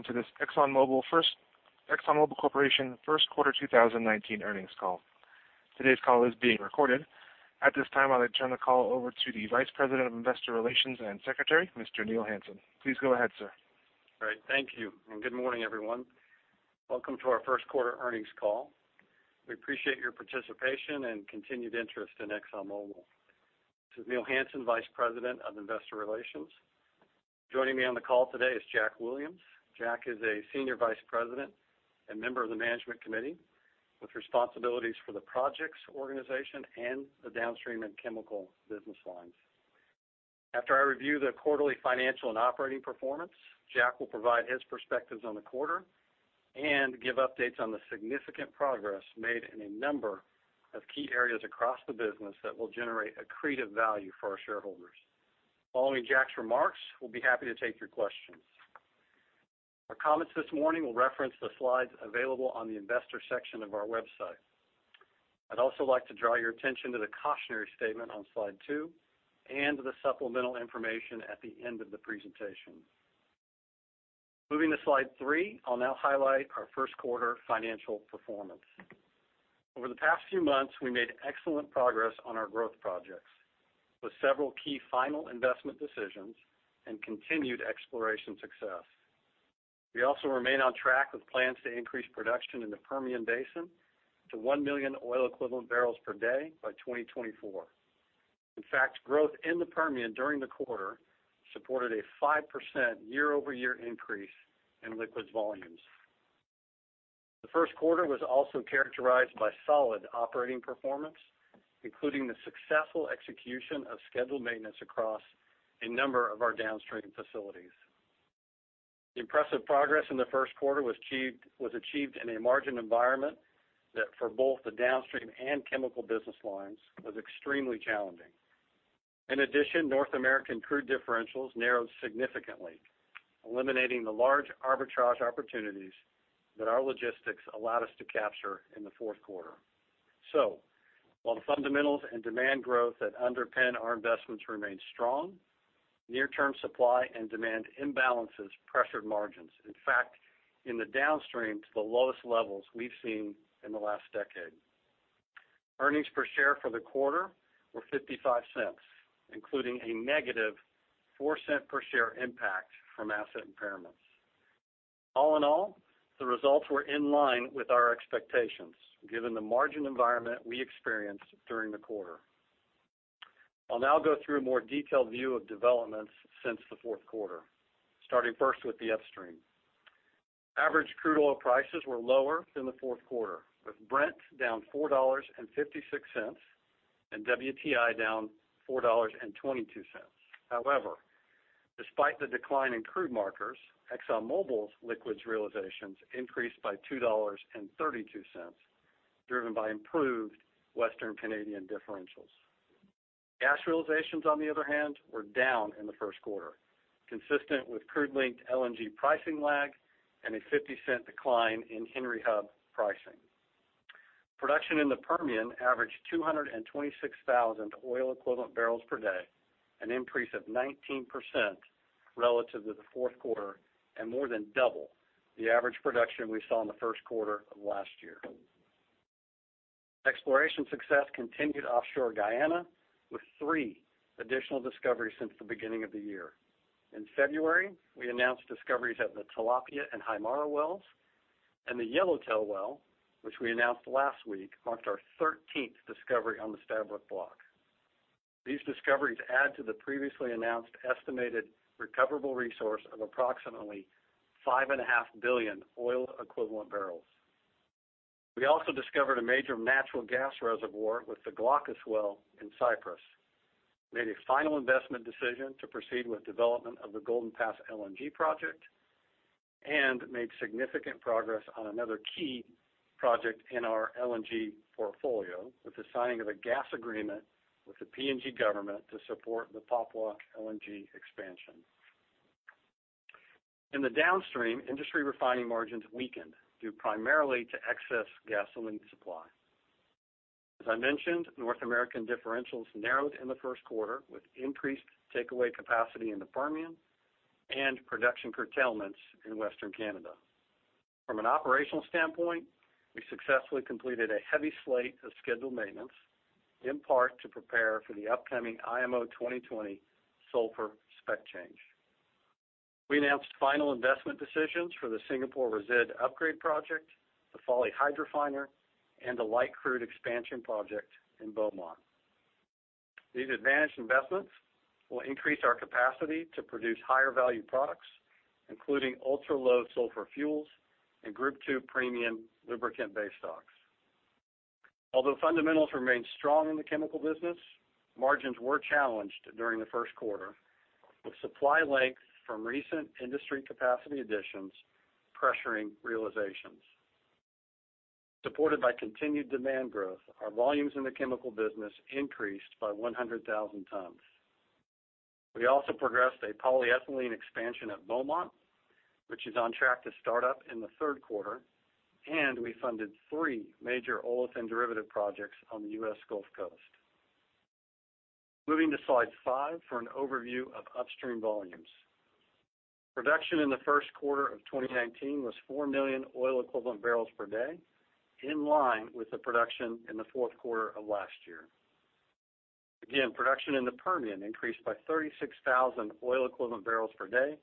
Welcome to this ExxonMobil Corporation first quarter 2019 earnings call. Today's call is being recorded. At this time, I'll now turn the call over to the Vice President of Investor Relations and Secretary, Mr. Neil Hansen. Please go ahead, sir. Great. Thank you. Good morning, everyone. Welcome to our first quarter earnings call. We appreciate your participation and continued interest in ExxonMobil. This is Neil Hansen, Vice President of Investor Relations. Joining me on the call today is Jack Williams. Jack is a Senior Vice President and member of the Management Committee with responsibilities for the projects, organization, and the Downstream and Chemical business lines. After I review the quarterly financial and operating performance, Jack will provide his perspectives on the quarter and give updates on the significant progress made in a number of key areas across the business that will generate accretive value for our shareholders. Following Jack's remarks, we'll be happy to take your questions. Our comments this morning will reference the slides available on the investor section of our website. I'd also like to draw your attention to the cautionary statement on Slide two and the supplemental information at the end of the presentation. Moving to Slide three, I'll now highlight our first quarter financial performance. Over the past few months, we made excellent progress on our growth projects with several key final investment decisions and continued exploration success. We also remain on track with plans to increase production in the Permian Basin to 1 million oil equivalent barrels per day by 2024. In fact, growth in the Permian during the quarter supported a 5% year-over-year increase in liquids volumes. The first quarter was also characterized by solid operating performance, including the successful execution of scheduled maintenance across a number of our Downstream facilities. The impressive progress in the first quarter was achieved in a margin environment that for both the Downstream and Chemical business lines was extremely challenging. North American crude differentials narrowed significantly, eliminating the large arbitrage opportunities that our logistics allowed us to capture in the fourth quarter. While the fundamentals and demand growth that underpin our investments remain strong, near-term supply and demand imbalances pressured margins, in fact, in the Downstream to the lowest levels we've seen in the last decade. Earnings per share for the quarter were $0.55, including a negative $0.04 per share impact from asset impairments. All in all, the results were in line with our expectations, given the margin environment we experienced during the quarter. I'll now go through a more detailed view of developments since the fourth quarter, starting first with the Upstream. Average crude oil prices were lower than the fourth quarter, with Brent down $4.56 and WTI down $4.22. However, despite the decline in crude markers, ExxonMobil's liquids realizations increased by $2.32, driven by improved Western Canadian differentials. Gas realizations, on the other hand, were down in the first quarter, consistent with crude linked LNG pricing lag and a $0.50 decline in Henry Hub pricing. Production in the Permian averaged 226,000 oil equivalent barrels per day, an increase of 19% relative to the fourth quarter, and more than double the average production we saw in the first quarter of last year. Exploration success continued offshore Guyana with three additional discoveries since the beginning of the year. In February, we announced discoveries at the Tilapia and Haimara wells, and the Yellowtail well, which we announced last week, marked our 13th discovery on the Stabroek Block. These discoveries add to the previously announced estimated recoverable resource of approximately 5.5 billion oil equivalent barrels. We also discovered a major natural gas reservoir with the Glaucus well in Cyprus, made a final investment decision to proceed with development of the Golden Pass LNG project, and made significant progress on another key project in our LNG portfolio with the signing of a gas agreement with the PNG government to support the Papua LNG expansion. In the downstream, industry refining margins weakened due primarily to excess gasoline supply. As I mentioned, North American differentials narrowed in the first quarter with increased takeaway capacity in the Permian and production curtailments in Western Canada. From an operational standpoint, we successfully completed a heavy slate of scheduled maintenance, in part to prepare for the upcoming IMO 2020 sulfur spec change. We announced final investment decisions for the Singapore Resid Upgrade project, the Fawley Hydrotreater, and the Light Crude expansion project in Beaumont. These advantage investments will increase our capacity to produce higher value products, including ultra-low sulfur fuels and Group II premium lubricant base stocks. Although fundamentals remained strong in the chemical business, margins were challenged during the first quarter with supply length from recent industry capacity additions pressuring realizations. Supported by continued demand growth, our volumes in the chemical business increased by 100,000 tons. We also progressed a polyethylene expansion at Beaumont, which is on track to start up in the third quarter, and we funded three major olefin derivative projects on the U.S. Gulf Coast. Moving to slide five for an overview of upstream volumes. Production in the first quarter of 2019 was 4 million oil equivalent barrels per day, in line with the production in the fourth quarter of last year. Production in the Permian increased by 36,000 oil equivalent barrels per day,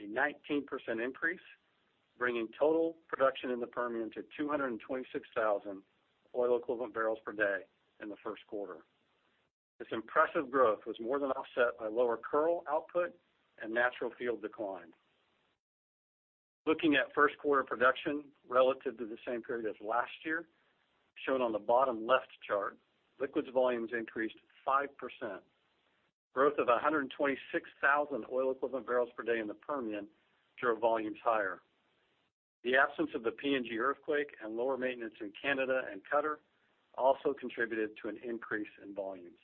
a 19% increase, bringing total production in the Permian to 226,000 oil equivalent barrels per day in the first quarter. This impressive growth was more than offset by lower Kearl output and natural field decline. Looking at first quarter production relative to the same period as last year, shown on the bottom left chart, liquids volumes increased 5%. Growth of 126,000 oil equivalent barrels per day in the Permian drove volumes higher. The absence of the PNG earthquake and lower maintenance in Canada and Qatar also contributed to an increase in volumes.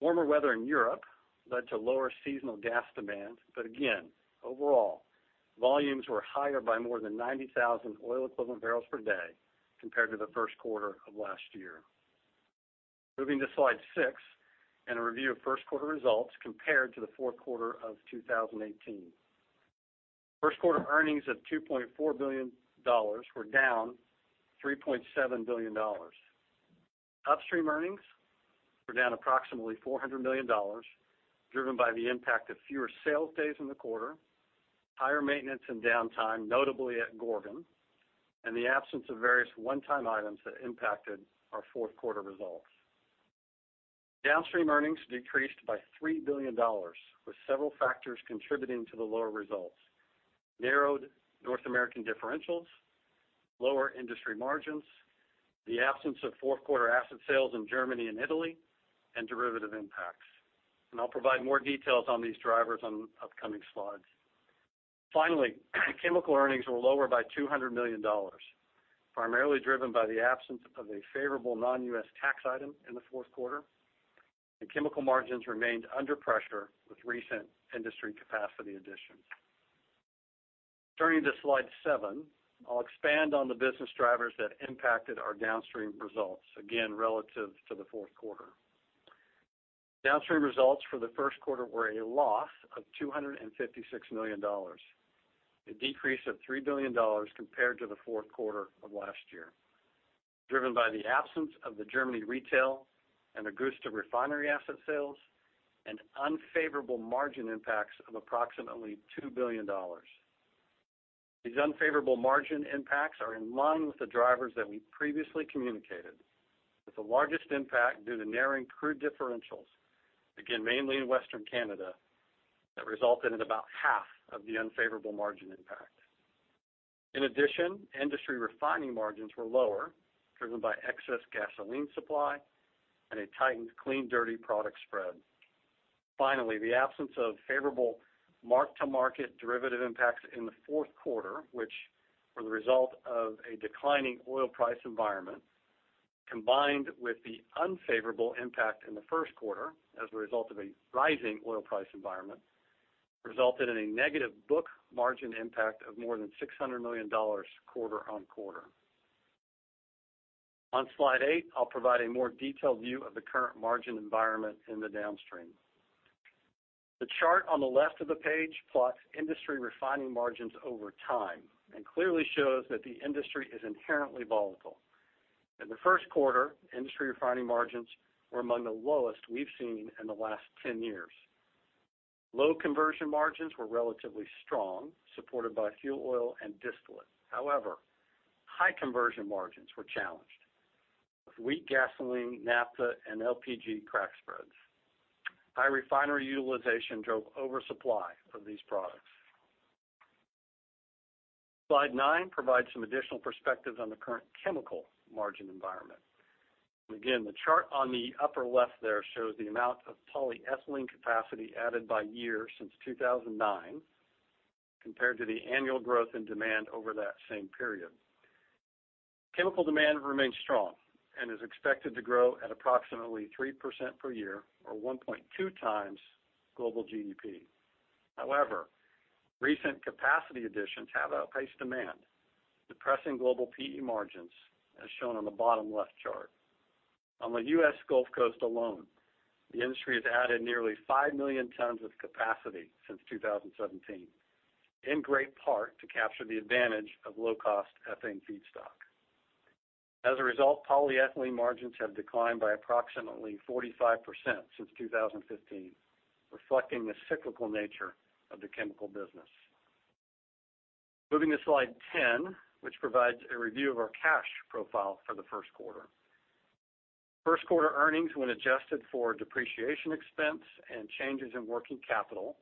Warmer weather in Europe led to lower seasonal gas demand. Overall, volumes were higher by more than 90,000 oil equivalent barrels per day compared to the first quarter of last year. Moving to slide six and a review of first quarter results compared to the fourth quarter of 2018. First quarter earnings of $2.4 billion were down $3.7 billion. Upstream earnings were down approximately $400 million, driven by the impact of fewer sales days in the quarter, higher maintenance and downtime, notably at Gorgon, and the absence of various one-time items that impacted our fourth quarter results. Downstream earnings decreased by $3 billion with several factors contributing to the lower results. Narrowed North American differentials, lower industry margins, the absence of fourth quarter asset sales in Germany and Italy, and derivative impacts. I'll provide more details on these drivers on upcoming slides. Finally, chemical earnings were lower by $200 million, primarily driven by the absence of a favorable non-U.S. tax item in the fourth quarter. The chemical margins remained under pressure with recent industry capacity additions. Turning to slide seven, I'll expand on the business drivers that impacted our downstream results, again relative to the fourth quarter. Downstream results for the first quarter were a loss of $256 million, a decrease of $3 billion compared to the fourth quarter of last year. Driven by the absence of the Germany retail and Augusta refinery asset sales and unfavorable margin impacts of approximately $2 billion. These unfavorable margin impacts are in line with the drivers that we previously communicated, with the largest impact due to narrowing crude differentials, again mainly in Western Canada, that resulted in about half of the unfavorable margin impact. In addition, industry refining margins were lower, driven by excess gasoline supply and a tightened clean dirty product spread. The absence of favorable mark-to-market derivative impacts in the fourth quarter, which were the result of a declining oil price environment, combined with the unfavorable impact in the first quarter as a result of a rising oil price environment, resulted in a negative book margin impact of more than $600 million quarter-on-quarter. On slide eight, I'll provide a more detailed view of the current margin environment in the downstream. The chart on the left of the page plots industry refining margins over time and clearly shows that the industry is inherently volatile. In the first quarter, industry refining margins were among the lowest we've seen in the last 10 years. Low conversion margins were relatively strong, supported by fuel oil and distillate. However, high conversion margins were challenged, with weak gasoline, naphtha, and LPG crack spreads. High refinery utilization drove oversupply of these products. Slide nine provides some additional perspective on the current chemical margin environment. Again, the chart on the upper left there shows the amount of polyethylene capacity added by year since 2009 compared to the annual growth in demand over that same period. Chemical demand remains strong and is expected to grow at approximately 3% per year or 1.2 times global GDP. However, recent capacity additions have outpaced demand, depressing global PE margins, as shown on the bottom left chart. On the U.S. Gulf Coast alone, the industry has added nearly 5 million tons of capacity since 2017, in great part to capture the advantage of low-cost ethane feedstock. As a result, polyethylene margins have declined by approximately 45% since 2015, reflecting the cyclical nature of the chemical business. Moving to slide 10, which provides a review of our cash profile for the first quarter. First quarter earnings when adjusted for depreciation expense and changes in working capital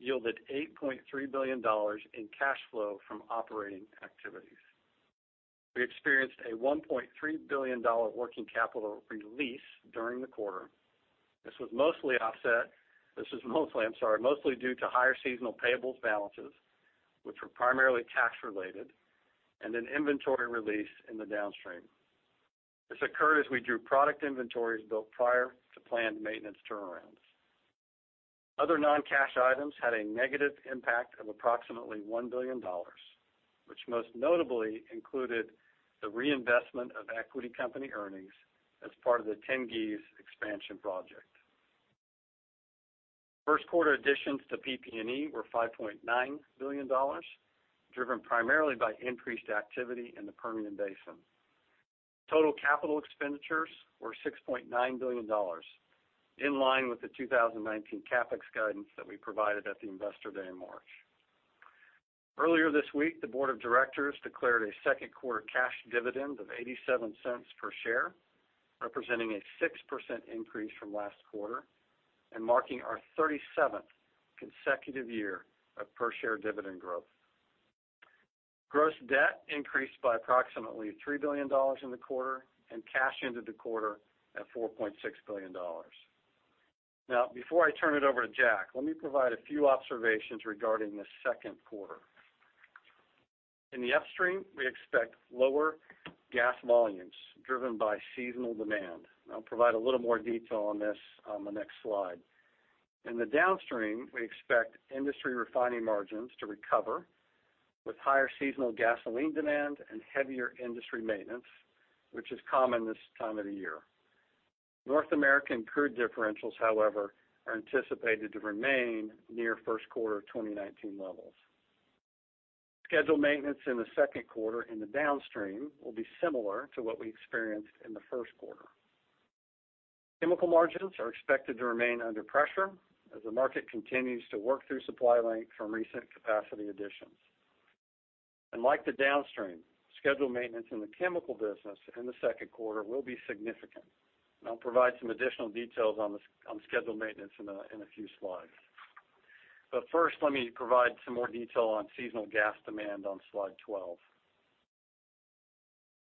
yielded $8.3 billion in cash flow from operating activities. We experienced a $1.3 billion working capital release during the quarter. This was mostly due to higher seasonal payables balances, which were primarily cash related, and an inventory release in the downstream. This occurred as we drew product inventories built prior to planned maintenance turnarounds. Other non-cash items had a negative impact of approximately $1 billion, which most notably included the reinvestment of equity company earnings as part of the Tengiz expansion project. First quarter additions to PP&E were $5.9 billion, driven primarily by increased activity in the Permian Basin. Total capital expenditures were $6.9 billion, in line with the 2019 CapEx guidance that we provided at the Investor Day in March. Earlier this week, the board of directors declared a second-quarter cash dividend of $0.87 per share, representing a 6% increase from last quarter and marking our 37th consecutive year of per-share dividend growth. Gross debt increased by approximately $3 billion in the quarter, and cash ended the quarter at $4.6 billion. Before I turn it over to Jack, let me provide a few observations regarding the second quarter. In the upstream, we expect lower gas volumes driven by seasonal demand. I'll provide a little more detail on this on the next slide. In the downstream, we expect industry refining margins to recover with higher seasonal gasoline demand and heavier industry maintenance, which is common this time of the year. North American crude differentials, however, are anticipated to remain near first quarter 2019 levels. Scheduled maintenance in the second quarter in the downstream will be similar to what we experienced in the first quarter. Chemical margins are expected to remain under pressure as the market continues to work through supply length from recent capacity additions. Like the downstream, scheduled maintenance in the chemical business in the second quarter will be significant, and I'll provide some additional details on scheduled maintenance in a few slides. First, let me provide some more detail on seasonal gas demand on slide 12.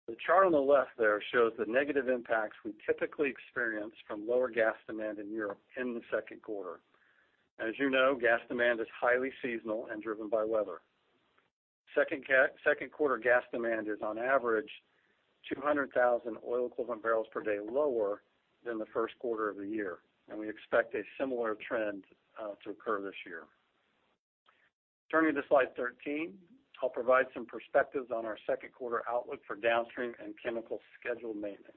The chart on the left there shows the negative impacts we typically experience from lower gas demand in Europe in the second quarter. As you know, gas demand is highly seasonal and driven by weather. Second quarter gas demand is, on average, 200,000 oil equivalent barrels per day lower than the first quarter of the year, and we expect a similar trend to occur this year. Turning to slide 13, I'll provide some perspectives on our second quarter outlook for downstream and chemical scheduled maintenance.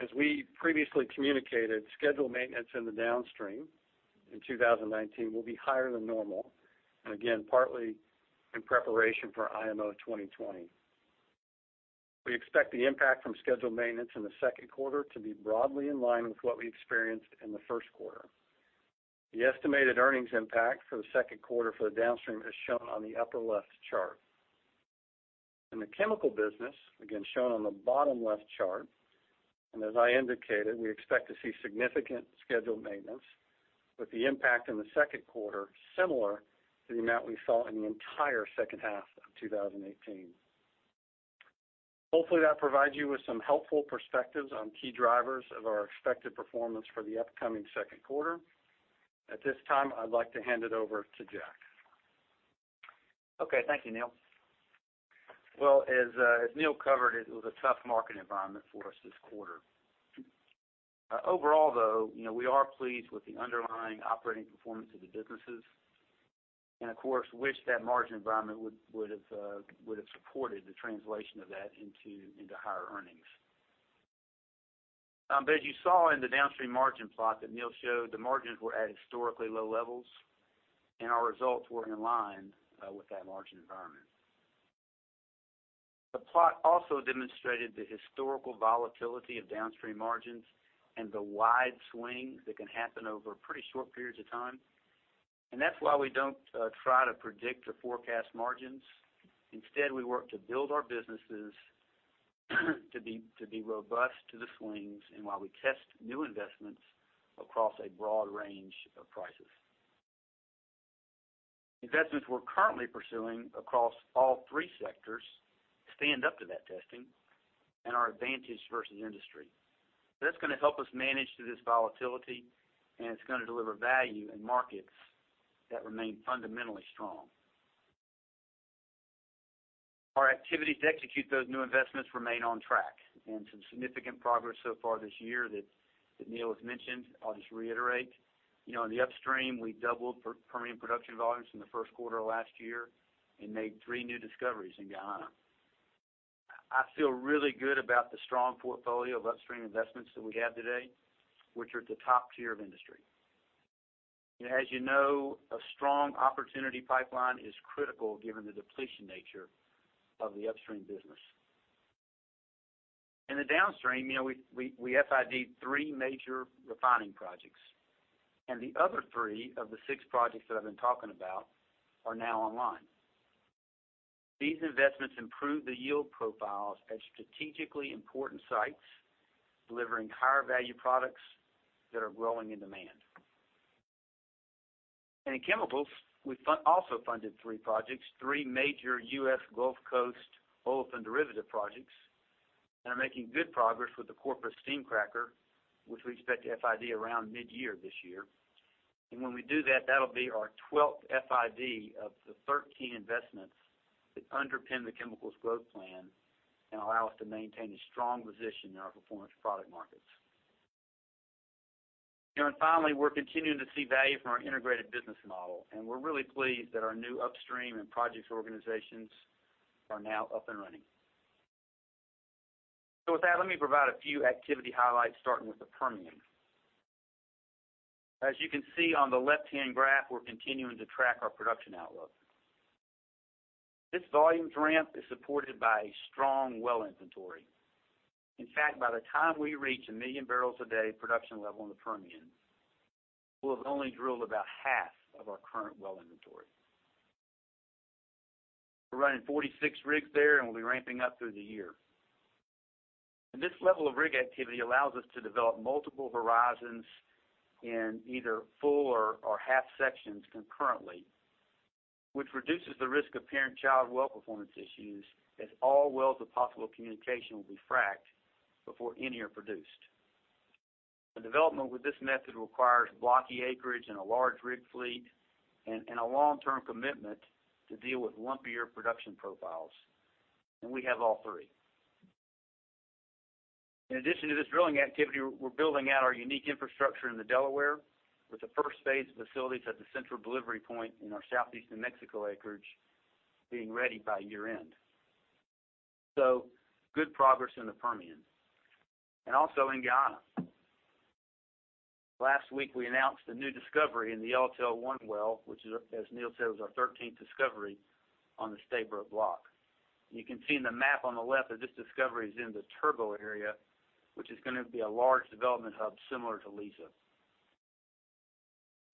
As we previously communicated, scheduled maintenance in the downstream in 2019 will be higher than normal, and again, partly in preparation for IMO 2020. We expect the impact from scheduled maintenance in the second quarter to be broadly in line with what we experienced in the first quarter. The estimated earnings impact for the second quarter for the downstream is shown on the upper left chart. In the chemical business, again, shown on the bottom left chart. As I indicated, we expect to see significant scheduled maintenance with the impact in the second quarter similar to the amount we saw in the entire second half of 2018. Hopefully, that provides you with some helpful perspectives on key drivers of our expected performance for the upcoming second quarter. At this time, I'd like to hand it over to Jack. Okay. Thank you, Neil. As Neil covered, it was a tough market environment for us this quarter. Overall, though, we are pleased with the underlying operating performance of the businesses and, of course, wish that margin environment would have supported the translation of that into higher earnings. As you saw in the downstream margin plot that Neil showed, the margins were at historically low levels, and our results were in line with that margin environment. The plot also demonstrated the historical volatility of downstream margins and the wide swings that can happen over pretty short periods of time. That's why we don't try to predict or forecast margins. Instead, we work to build our businesses to be robust to the swings and while we test new investments across a broad range of prices. Investments we're currently pursuing across all three sectors stand up to that testing and are advantage versus industry. That's going to help us manage through this volatility, and it's going to deliver value in markets that remain fundamentally strong. Our activities to execute those new investments remain on track and some significant progress so far this year that Neil has mentioned. I'll just reiterate. In the upstream, we doubled Permian production volumes in the first quarter of last year and made three new discoveries in Guyana. I feel really good about the strong portfolio of upstream investments that we have today, which are at the top tier of industry. As you know, a strong opportunity pipeline is critical given the depletion nature of the upstream business. In the downstream, we FID'd three major refining projects, and the other three of the six projects that I've been talking about are now online. These investments improve the yield profiles at strategically important sites, delivering higher-value products that are growing in demand. In chemicals, we also funded three projects, three major U.S. Gulf Coast olefin derivative projects, and are making good progress with the Corpus steam cracker, which we expect to FID around mid-year this year. When we do that'll be our 12th FID of the 13 investments that underpin the chemicals growth plan and allow us to maintain a strong position in our performance product markets. Finally, we're continuing to see value from our integrated business model, and we're really pleased that our new upstream and projects organizations are now up and running. With that, let me provide a few activity highlights, starting with the Permian. As you can see on the left-hand graph, we're continuing to track our production outlook. This volumes ramp is supported by a strong well inventory. In fact, by the time we reach 1 million barrels a day production level in the Permian, we'll have only drilled about half of our current well inventory. We're running 46 rigs there, and we'll be ramping up through the year. This level of rig activity allows us to develop multiple horizons in either full or half sections concurrently, which reduces the risk of parent-child well performance issues, as all wells of possible communication will be fracked before any are produced. The development with this method requires blocky acreage and a large rig fleet and a long-term commitment to deal with lumpier production profiles. We have all three. In addition to this drilling activity, we're building out our unique infrastructure in the Delaware with the first phase of facilities at the central delivery point in our southeastern New Mexico acreage being ready by year-end. Good progress in the Permian and also in Guyana. Last week, we announced a new discovery in the Yellowtail-1 well, which is, as Neil said, was our 13th discovery on the Stabroek Block. You can see in the map on the left that this discovery is in the Turbot area, which is going to be a large development hub similar to Liza.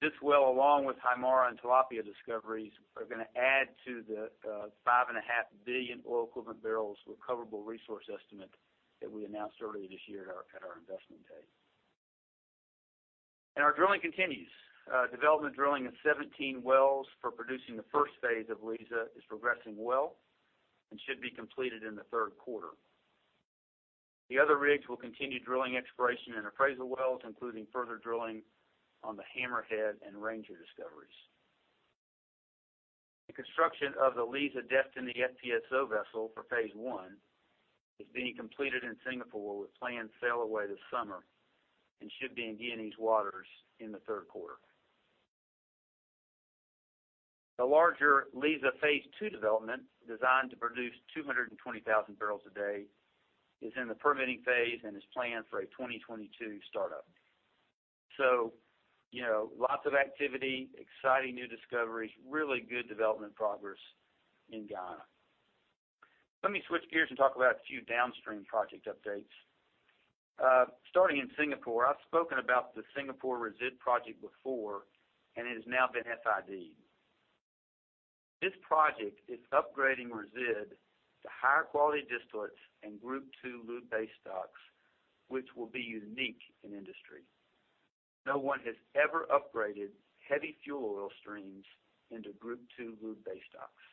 This well, along with Haimara and Tilapia discoveries, are going to add to the 5.5 billion oil equivalent barrels recoverable resource estimate that we announced earlier this year at our investment day. Our drilling continues. Development drilling of 17 wells for producing the first phase of Liza is progressing well and should be completed in the third quarter. The other rigs will continue drilling exploration and appraisal wells, including further drilling on the Hammerhead and Ranger discoveries. The construction of the Liza Destiny FPSO vessel for phase 1 is being completed in Singapore with planned sail away this summer and should be in Guyanese waters in the third quarter. The larger Liza phase 2 development, designed to produce 220,000 barrels a day, is in the permitting phase and is planned for a 2022 startup. Lots of activity, exciting new discoveries, really good development progress in Guyana. Let me switch gears and talk about a few downstream project updates. Starting in Singapore, I've spoken about the Singapore Resid project before, and it has now been FID'd. This project is upgrading resid to higher quality distillates and Group II lube base stocks, which will be unique in industry. No one has ever upgraded heavy fuel oil streams into Group II lube base stocks.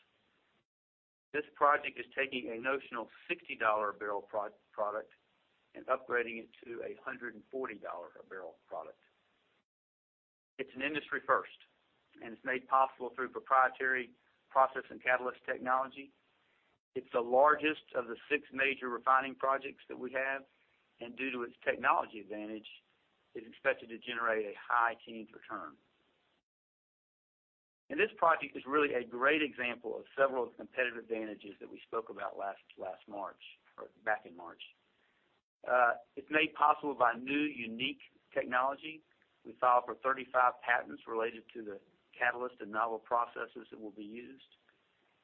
This project is taking a notional $60 a barrel product and upgrading it to a $140 a barrel product. It's an industry first, it's made possible through proprietary process and catalyst technology. It's the largest of the six major refining projects that we have, and due to its technology advantage, is expected to generate a high change return. This project is really a great example of several of the competitive advantages that we spoke about back in March. It's made possible by new, unique technology. We filed for 35 patents related to the catalyst and novel processes that will be used.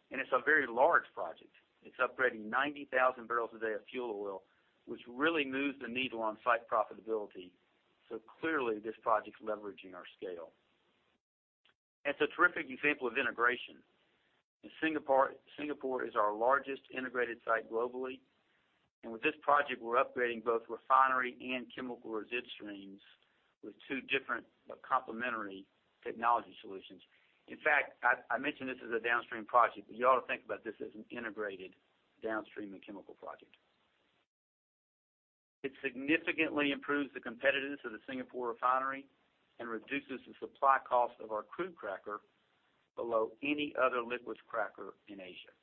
It's a very large project. It's upgrading 90,000 barrels a day of fuel oil, which really moves the needle on site profitability. Clearly this project's leveraging our scale. It's a terrific example of integration. Singapore is our largest integrated site globally. With this project, we're upgrading both refinery and chemical resid streams with two different but complementary technology solutions. In fact, I mentioned this as a downstream project, but you ought to think about this as an integrated downstream and chemical project. It significantly improves the competitiveness of the Singapore refinery and reduces the supply cost of our crude cracker below any other liquids cracker in Asia.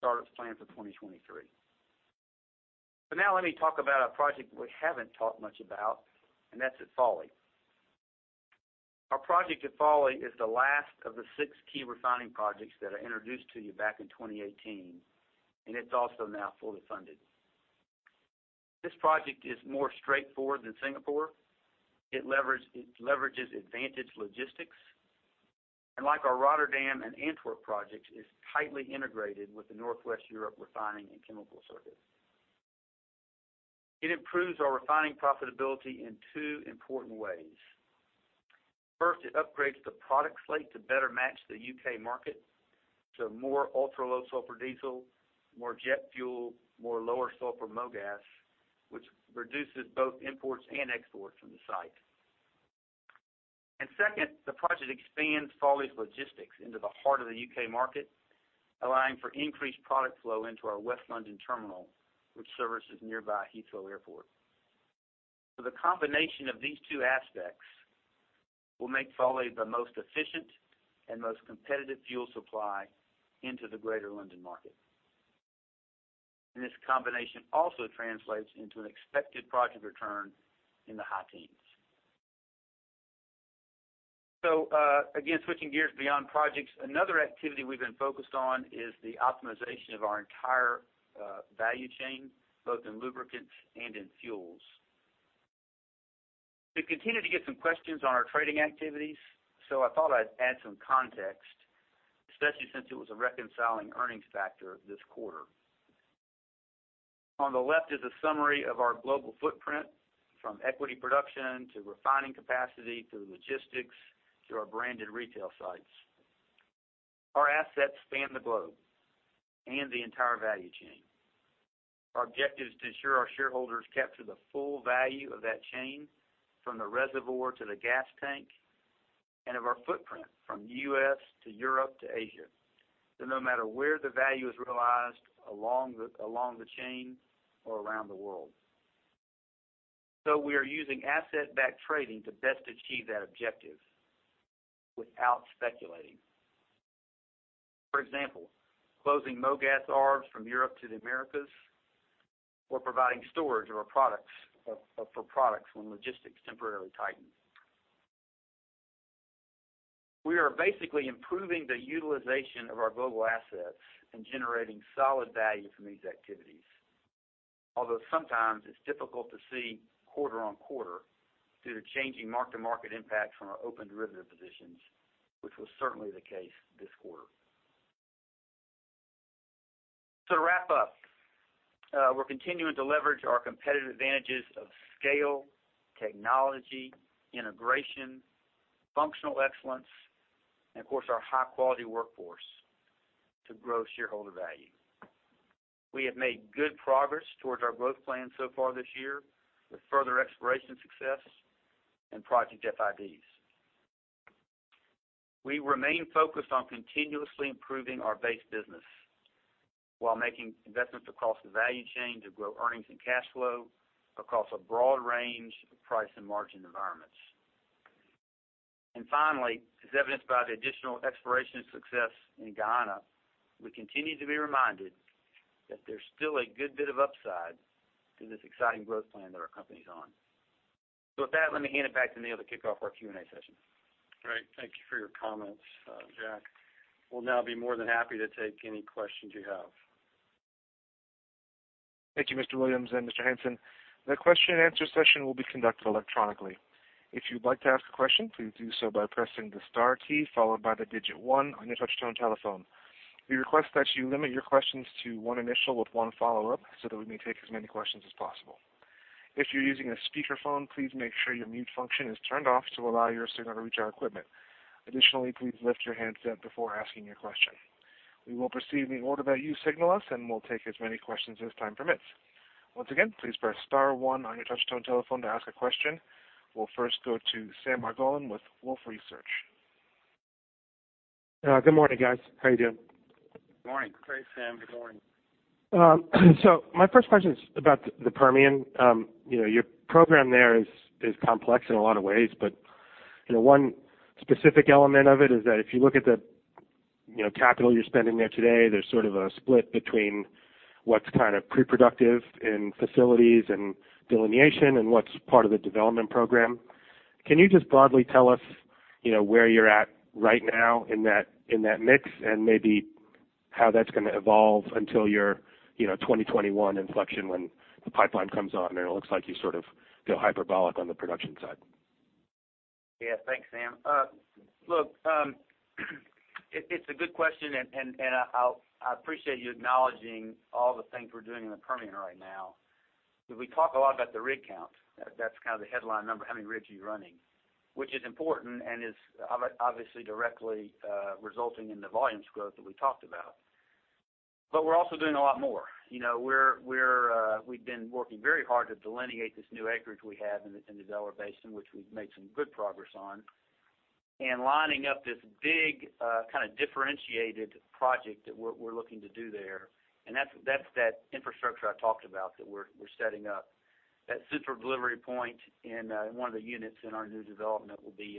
Startup's planned for 2023. Now let me talk about a project we haven't talked much about, and that's at Fawley. Our project at Fawley is the last of the six key refining projects that I introduced to you back in 2018, it's also now fully funded. This project is more straightforward than Singapore. It leverages advantage logistics. Like our Rotterdam and Antwerp projects, it is tightly integrated with the Northwest Europe refining and chemical circuit. It improves our refining profitability in two important ways. First, it upgrades the product slate to better match the U.K. market. More ultra-low sulfur diesel, more jet fuel, more lower sulfur mogas, which reduces both imports and exports from the site. Second, the project expands Fawley's logistics into the heart of the U.K. market, allowing for increased product flow into our West London terminal, which services nearby Heathrow Airport. The combination of these two aspects will make Fawley the most efficient and most competitive fuel supply into the greater London market. This combination also translates into an expected project return in the high teens. Again, switching gears beyond projects, another activity we've been focused on is the optimization of our entire value chain, both in lubricants and in fuels. We continue to get some questions on our trading activities, so I thought I'd add some context, especially since it was a reconciling earnings factor this quarter. On the left is a summary of our global footprint, from equity production to refining capacity, to logistics, to our branded retail sites. Our assets span the globe and the entire value chain. Our objective is to ensure our shareholders capture the full value of that chain, from the reservoir to the gas tank, and of our footprint from U.S. to Europe to Asia. No matter where the value is realized along the chain or around the world. We are using asset-backed trading to best achieve that objective without speculating. For example, closing mogas arbs from Europe to the Americas, or providing storage for products when logistics temporarily tighten. We are basically improving the utilization of our global assets and generating solid value from these activities. Although sometimes it's difficult to see quarter-on-quarter due to changing mark-to-market impact from our open derivative positions, which was certainly the case this quarter. To wrap up, we're continuing to leverage our competitive advantages of scale, technology, integration, functional excellence, and of course, our high-quality workforce to grow shareholder value. We have made good progress towards our growth plan so far this year with further exploration success and project FIDs. We remain focused on continuously improving our base business while making investments across the value chain to grow earnings and cash flow across a broad range of price and margin environments. Finally, as evidenced by the additional exploration success in Guyana, we continue to be reminded that there's still a good bit of upside to this exciting growth plan that our company's on. With that, let me hand it back to Neil to kick off our Q&A session. Great. Thank you for your comments, Jack. We'll now be more than happy to take any questions you have. Thank you, Mr. Williams and Mr. Hansen. The question and answer session will be conducted electronically. If you'd like to ask a question, please do so by pressing the star key followed by the digit one on your touch-tone telephone. We request that you limit your questions to one initial with one follow-up so that we may take as many questions as possible. If you're using a speakerphone, please make sure your mute function is turned off to allow your signal to reach our equipment. Additionally, please lift your handset before asking your question. We will proceed in the order that you signal us, and we'll take as many questions as time permits. Once again, please press star one on your touch-tone telephone to ask a question. We'll first go to Sam Margolin with Wolfe Research. Good morning, guys. How you doing? Morning. Great, Sam. Good morning. My first question is about the Permian. Your program there is complex in a lot of ways, but one specific element of it is that if you look at the capital you're spending there today, there's sort of a split between what's kind of pre-productive in facilities and delineation and what's part of the development program. Can you just broadly tell us where you're at right now in that mix and maybe how that's going to evolve until your 2021 inflection when the pipeline comes on there? It looks like you sort of go hyperbolic on the production side. Yeah. Thanks, Sam. Look, it's a good question. I appreciate you acknowledging all the things we're doing in the Permian right now. We talk a lot about the rig count. That's kind of the headline number, how many rigs are you running? Which is important and is obviously directly resulting in the volumes growth that we talked about. We're also doing a lot more. We've been working very hard to delineate this new acreage we have in the Delaware Basin, which we've made some good progress on, lining up this big kind of differentiated project that we're looking to do there. That's that infrastructure I talked about that we're setting up. That central delivery point in one of the units in our new development will be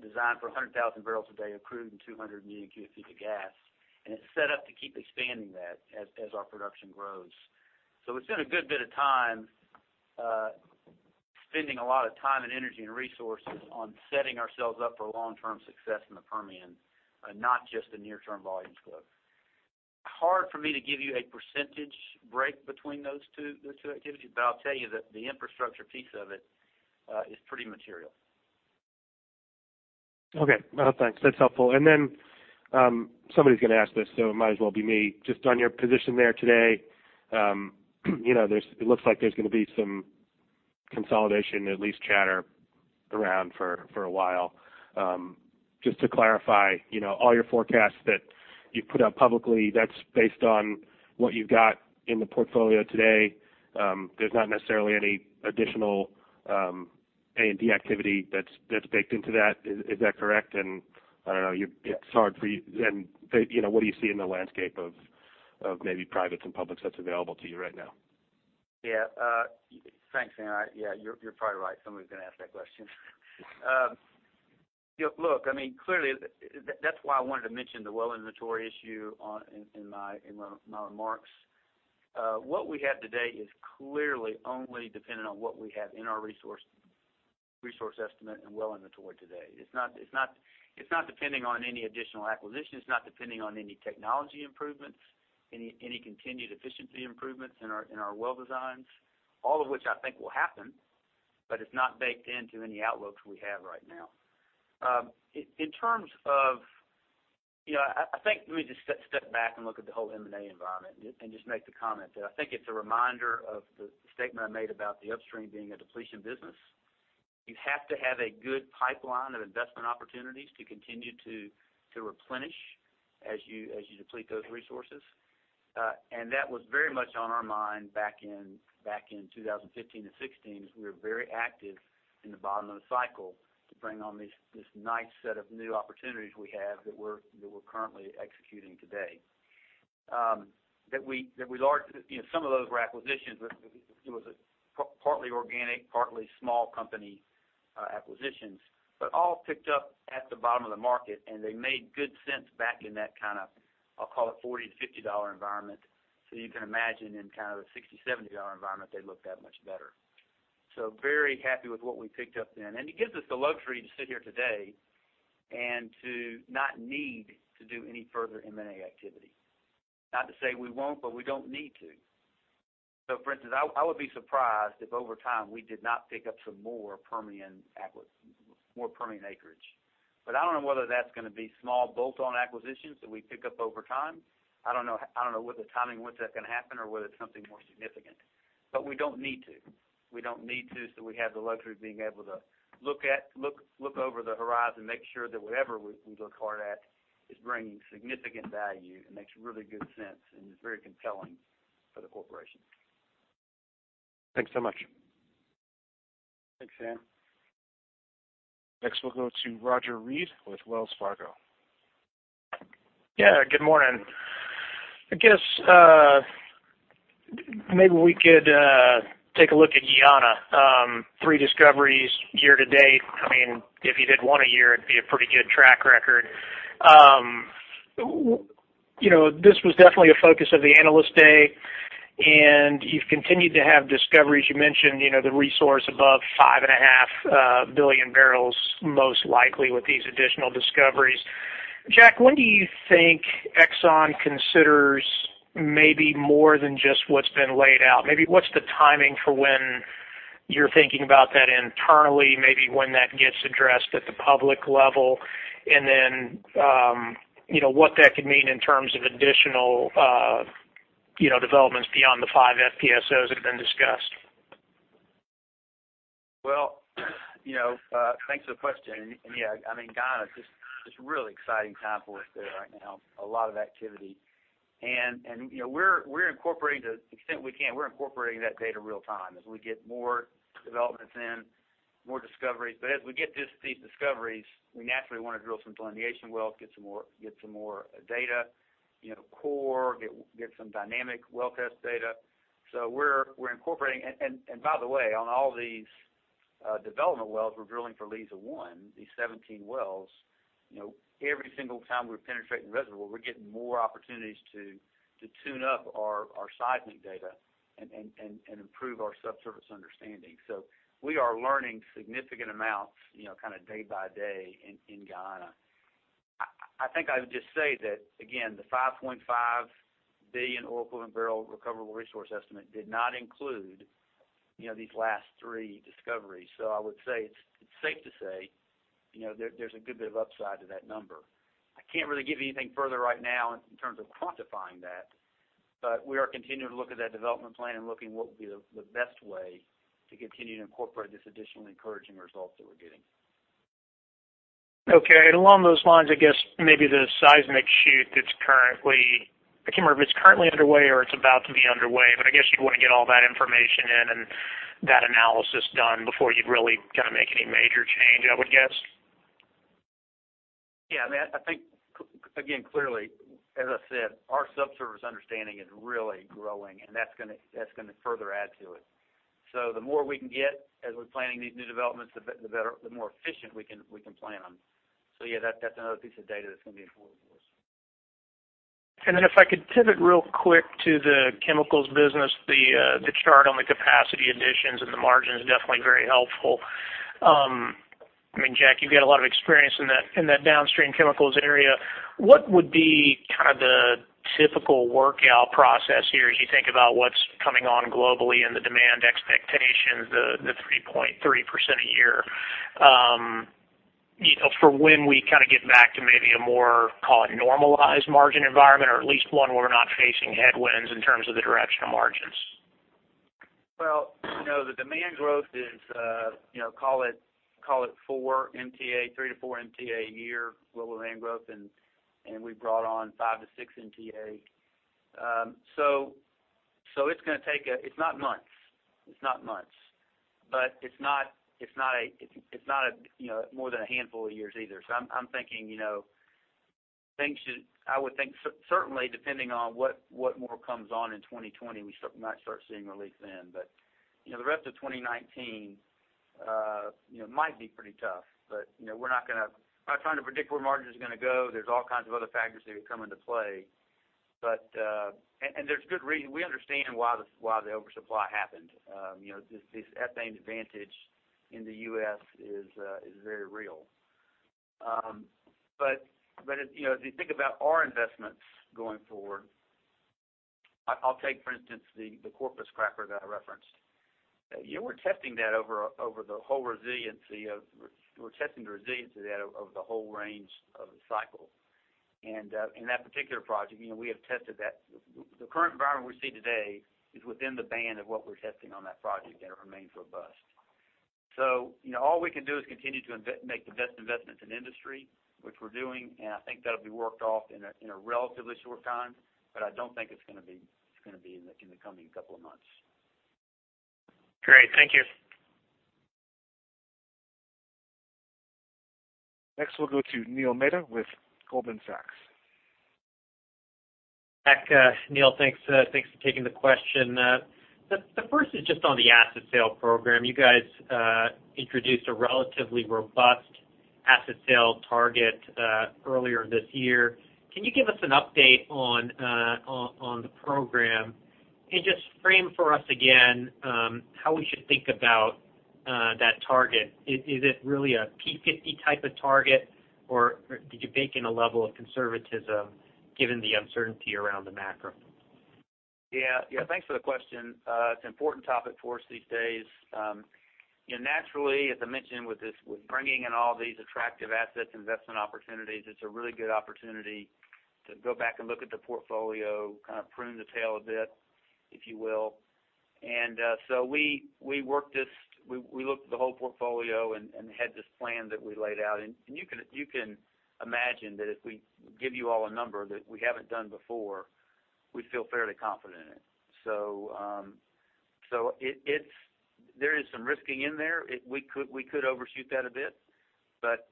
designed for 100,000 barrels a day of crude and 200 million cubic feet of gas. It's set up to keep expanding that as our production grows. We've spent a good bit of time spending a lot of time and energy and resources on setting ourselves up for long-term success in the Permian, not just the near-term volumes growth. Hard for me to give you a percentage break between those two activities, I'll tell you that the infrastructure piece of it is pretty material. Okay. Well, thanks. That's helpful. Somebody's going to ask this, so it might as well be me. Just on your position there today, it looks like there's going to be some consolidation, at least chatter around for a while. Just to clarify, all your forecasts that you've put out publicly, that's based on what you've got in the portfolio today. There's not necessarily any additional A&D activity that's baked into that. Is that correct? I don't know, what do you see in the landscape of maybe privates and publics that's available to you right now. Yeah. Thanks, Sam. Yeah, you're probably right. Somebody's going to ask that question. Look, clearly, that's why I wanted to mention the well inventory issue in my remarks. What we have today is clearly only dependent on what we have in our resource estimate and well inventory today. It's not depending on any additional acquisitions, it's not depending on any technology improvements, any continued efficiency improvements in our well designs. All of which I think will happen, but it's not baked into any outlooks we have right now. I think let me just step back and look at the whole M&A environment and just make the comment that I think it's a reminder of the statement I made about the upstream being a depletion business. You have to have a good pipeline of investment opportunities to continue to replenish as you deplete those resources. That was very much on our mind back in 2015 and 2016, as we were very active in the bottom of the cycle to bring on this nice set of new opportunities we have that we're currently executing today. Some of those were acquisitions, but it was partly organic, partly small company acquisitions, but all picked up at the bottom of the market, and they made good sense back in that kind of, I'll call it $40-$50 environment. You can imagine in kind of a $60-$70 environment, they look that much better. Very happy with what we picked up then. It gives us the luxury to sit here today and to not need to do any further M&A activity. Not to say we won't, but we don't need to. For instance, I would be surprised if over time we did not pick up some more Permian acreage. I don't know whether that's going to be small bolt-on acquisitions that we pick up over time. I don't know whether timing-wise that's going to happen or whether it's something more significant. We don't need to. We don't need to. We have the luxury of being able to look over the horizon, make sure that whatever we look hard at is bringing significant value and makes really good sense and is very compelling for the corporation. Thanks so much. Thanks, Sam. Next we'll go to Roger Read with Wells Fargo. Yeah. Good morning. I guess, maybe we could take a look at Guyana. Three discoveries year to date. If you did 1 a year, it'd be a pretty good track record. This was definitely a focus of the Analyst Day, you've continued to have discoveries. You mentioned the resource above 5.5 billion barrels, most likely with these additional discoveries. Jack, when do you think Exxon considers maybe more than just what's been laid out? Maybe what's the timing for when you're thinking about that internally, maybe when that gets addressed at the public level, then what that could mean in terms of additional developments beyond the five FPSOs that have been discussed? Well, thanks for the question. Yeah, Guyana's just a really exciting time for us there right now. A lot of activity. To the extent we can, we're incorporating that data real time as we get more developments in, more discoveries. As we get these discoveries, we naturally want to drill some delineation wells, get some more data, core, get some dynamic well test data. We're incorporating. By the way, on all these development wells, we're drilling for Liza 1, these 17 wells. Every single time we penetrate the reservoir, we're getting more opportunities to tune up our seismic data and improve our subsurface understanding. We are learning significant amounts day by day in Guyana. I think I would just say that, again, the 5.5 billion oil equivalent barrel recoverable resource estimate did not include these last three discoveries. I would say it's safe to say there's a good bit of upside to that number. I can't really give you anything further right now in terms of quantifying that, but we are continuing to look at that development plan and looking what would be the best way to continue to incorporate this additional encouraging results that we're getting. Okay. Along those lines, I guess maybe the seismic shoot that's currently, I can't remember if it's currently underway or it's about to be underway, but I guess you'd want to get all that information in and that analysis done before you'd really make any major change, I would guess? Yeah. I think, again, clearly, as I said, our subsurface understanding is really growing, and that's going to further add to it. The more we can get as we're planning these new developments, the more efficient we can plan them. Yeah, that's another piece of data that's going to be important for us. Then if I could pivot real quick to the chemicals business, the chart on the capacity additions and the margin is definitely very helpful. Jack, you've got a lot of experience in that downstream chemicals area. What would be kind of the typical workout process here as you think about what's coming on globally and the demand expectations, the 3.3% a year for when we get back to maybe a more, call it normalized margin environment, or at least one where we're not facing headwinds in terms of the direction of margins? The demand growth is call it 4 MTA, 3 to 4 MTA a year global demand growth. We brought on 5 to 6 MTA. It's going to take. It's not months. It's not more than a handful of years either. I'm thinking, I would think certainly depending on what more comes on in 2020, we might start seeing relief then. The rest of 2019 might be pretty tough. We're not trying to predict where margins are going to go. There's all kinds of other factors that would come into play. There's good reason. We understand why the oversupply happened. This ethane advantage in the U.S. is very real. As you think about our investments going forward, I'll take, for instance, the Corpus cracker that I referenced. We're testing the resiliency of that over the whole range of the cycle. In that particular project, we have tested that. The current environment we see today is within the band of what we're testing on that project, and it remains robust. All we can do is continue to make the best investments in industry, which we're doing, and I think that'll be worked off in a relatively short time, but I don't think it's going to be in the coming couple of months. Great. Thank you. Next, we'll go to Neil Mehta with Goldman Sachs. Jack, Neil, thanks for taking the question. The first is just on the asset sale program. You guys introduced a relatively robust asset sale target earlier this year. Can you give us an update on the program and just frame for us again how we should think about that target? Is it really a P50 type of target, or did you bake in a level of conservatism given the uncertainty around the macro? Yeah. Thanks for the question. It's an important topic for us these days. Naturally, as I mentioned with bringing in all these attractive assets investment opportunities, it's a really good opportunity to go back and look at the portfolio, kind of prune the tail a bit, if you will. We looked at the whole portfolio and had this plan that we laid out. You can imagine that if we give you all a number that we haven't done before, we'd feel fairly confident in it. There is some risking in there. We could overshoot that a bit, but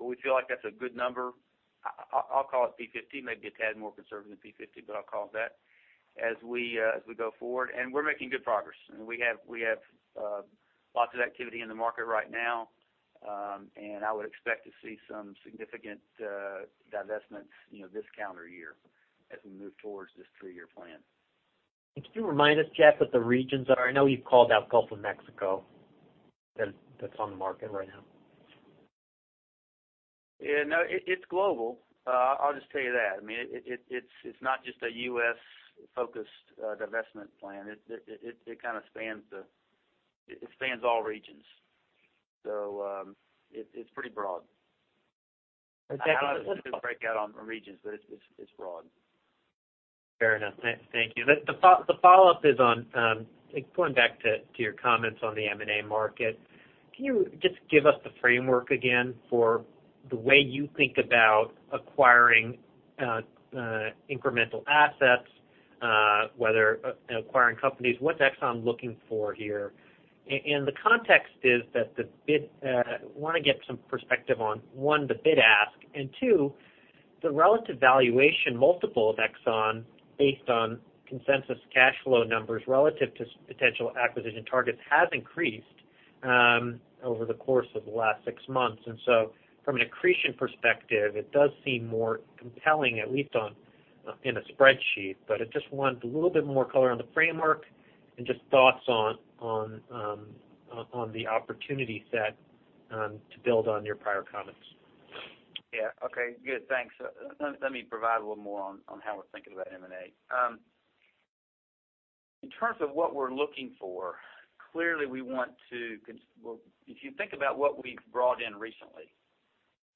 we feel like that's a good number. I'll call it P50, maybe a tad more conservative than P50, but I'll call it that as we go forward. I mean, we have lots of activity in the market right now. I would expect to see some significant divestments this calendar year as we move towards this three-year plan. Can you remind us, Jack, what the regions are? I know you've called out Gulf of Mexico that's on the market right now. Yeah, no, it's global. I will just tell you that. I mean, it's not just a U.S.-focused divestment plan. It kind of spans all regions. It is pretty broad. Is that- I do not have a specific breakout on regions, but it's broad. Fair enough. Thank you. The follow-up is on going back to your comments on the M&A market. Can you just give us the framework again for the way you think about acquiring incremental assets, whether acquiring companies, what's Exxon looking for here? The context is that I want to get some perspective on, one, the bid ask, and two, the relative valuation multiple of Exxon based on consensus cash flow numbers relative to potential acquisition targets has increased over the course of the last six months. So from an accretion perspective, it does seem more compelling, at least in a spreadsheet. I just want a little bit more color on the framework and just thoughts on the opportunity set to build on your prior comments. Yeah. Okay, good. Thanks. Let me provide a little more on how we're thinking about M&A. In terms of what we're looking for, clearly, if you think about what we've brought in recently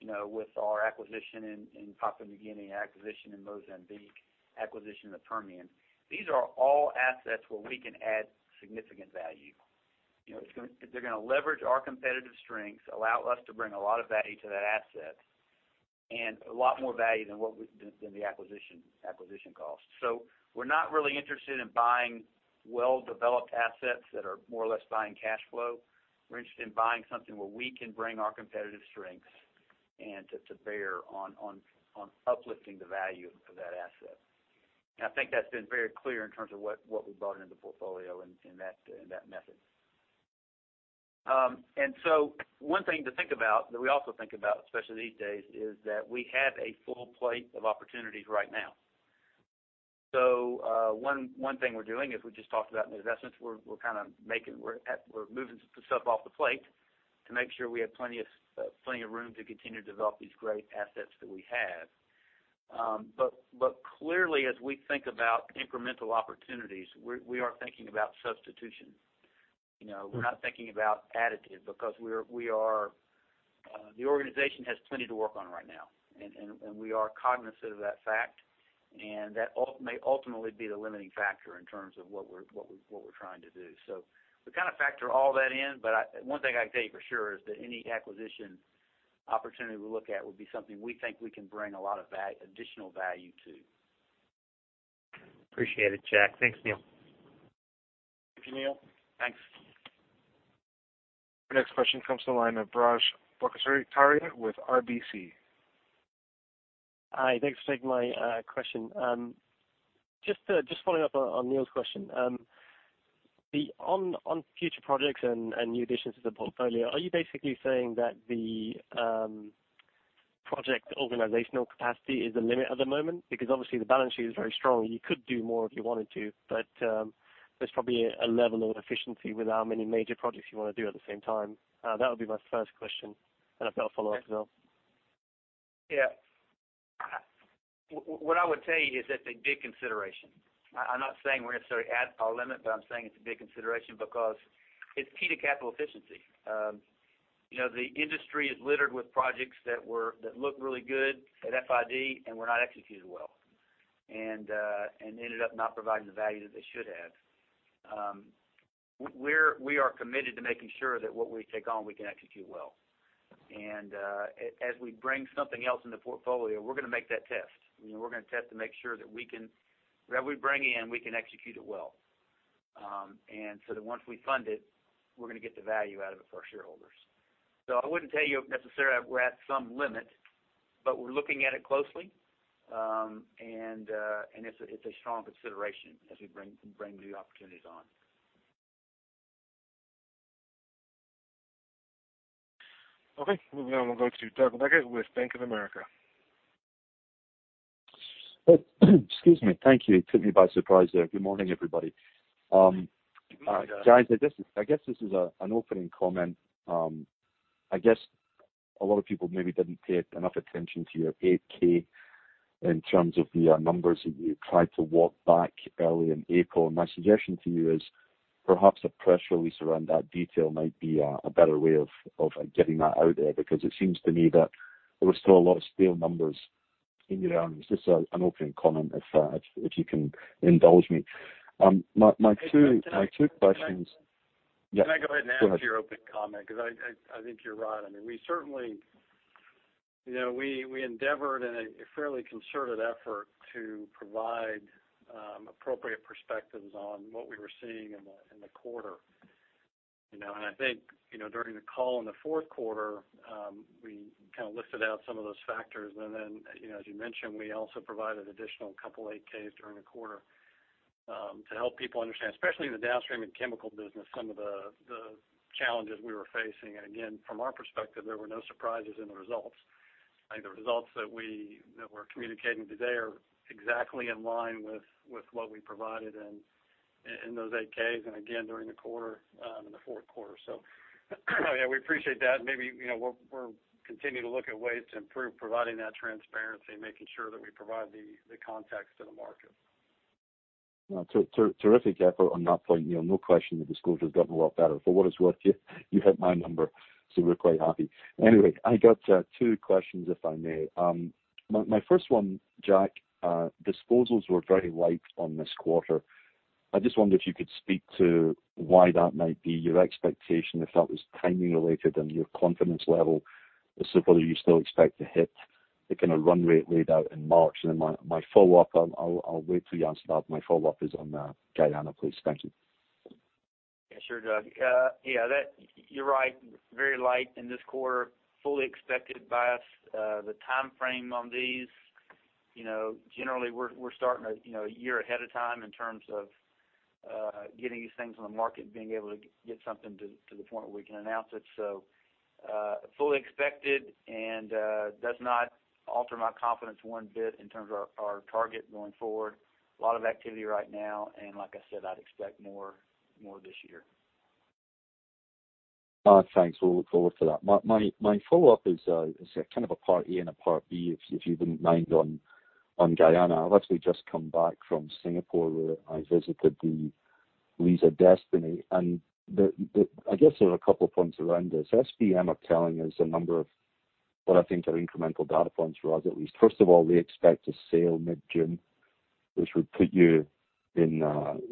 with our acquisition in Papua New Guinea, acquisition in Mozambique, acquisition in the Permian, these are all assets where we can add significant value. They're going to leverage our competitive strengths, allow us to bring a lot of value to that asset, and a lot more value than the acquisition cost. We're not really interested in buying well-developed assets that are more or less buying cash flow. We're interested in buying something where we can bring our competitive strengths to bear on uplifting the value of that asset. I think that's been very clear in terms of what we've brought into the portfolio in that method. One thing to think about that we also think about, especially these days, is that we have a full plate of opportunities right now. One thing we're doing is we just talked about in the investments, we're kind of moving stuff off the plate to make sure we have plenty of room to continue to develop these great assets that we have. Clearly, as we think about incremental opportunities, we are thinking about substitution. We're not thinking about additive because the organization has plenty to work on right now, and we are cognizant of that fact, and that may ultimately be the limiting factor in terms of what we're trying to do. We kind of factor all that in. One thing I can tell you for sure is that any acquisition opportunity we look at would be something we think we can bring a lot of additional value to. Appreciate it, Jack. Thanks, Neil. Thank you, Neil. Thanks. Our next question comes to the line of Biraj Borkhataria with RBC. Hi. Thanks for taking my question. Just following up on Neil's question. On future projects and new additions to the portfolio, are you basically saying that the project organizational capacity is the limit at the moment? Because obviously the balance sheet is very strong. You could do more if you wanted to, but there's probably a level of efficiency with how many major projects you want to do at the same time. That would be my first question. I've got a follow-up as well. Yeah. What I would tell you is that it's a big consideration. I'm not saying we're necessarily at our limit, but I'm saying it's a big consideration because it's key to capital efficiency. The industry is littered with projects that looked really good at FID and were not executed well, and ended up not providing the value that they should have. We are committed to making sure that what we take on, we can execute well. As we bring something else in the portfolio, we're going to make that test. We're going to test to make sure that what we bring in, we can execute it well. So that once we fund it, we're going to get the value out of it for our shareholders. I wouldn't tell you necessarily we're at some limit, but we're looking at it closely, and it's a strong consideration as we bring new opportunities on. Okay, moving on. We'll go to Doug Leggate with Bank of America. Excuse me. Thank you. It took me by surprise there. Good morning, everybody. Good morning, Doug. Guys, I guess this is an opening comment. I guess a lot of people maybe didn't pay enough attention to your 8-K in terms of the numbers that you tried to walk back early in April. My suggestion to you is perhaps a press release around that detail might be a better way of getting that out there, because it seems to me that there are still a lot of stale numbers in there. It's just an opening comment, if you can indulge me. My two questions- Can I go ahead and answer- Yeah, go ahead your opening comment? I think you're right. We endeavored in a fairly concerted effort to provide appropriate perspectives on what we were seeing in the quarter. I think, during the call in the fourth quarter, we listed out some of those factors. As you mentioned, we also provided additional couple of 8-Ks during the quarter to help people understand, especially in the downstream and chemical business, some of the challenges we were facing. Again, from our perspective, there were no surprises in the results. I think the results that we're communicating today are exactly in line with what we provided in those 8-Ks, and again during the fourth quarter. Yeah, we appreciate that, and maybe we'll continue to look at ways to improve providing that transparency and making sure that we provide the context to the market. Terrific effort on that point, Neil. No question that disclosure's gotten a lot better. For what it's worth, you have my number, so we're quite happy. I got two questions, if I may. My first one, Jack. Disposals were very light on this quarter. I just wonder if you could speak to why that might be your expectation if that was timing related and your confidence level as to whether you still expect to hit the kind of run rate laid out in March. My follow-up, I'll wait till you answer that. My follow-up is on Guyana, please. Thank you. Yeah, sure, Doug. You're right, very light in this quarter. Fully expected by us. The timeframe on these, generally we're starting a year ahead of time in terms of getting these things on the market and being able to get something to the point where we can announce it. Fully expected and does not alter my confidence one bit in terms of our target going forward. A lot of activity right now, and like I said, I'd expect more this year. Thanks. We'll look forward to that. My follow-up is kind of a part A and a part B, if you wouldn't mind, on Guyana. I've actually just come back from Singapore, where I visited the Liza Destiny, and I guess there are a couple of points around this. SBM are telling us a number of what I think are incremental data points for us, at least. First of all, they expect to sail mid-June, which would put you in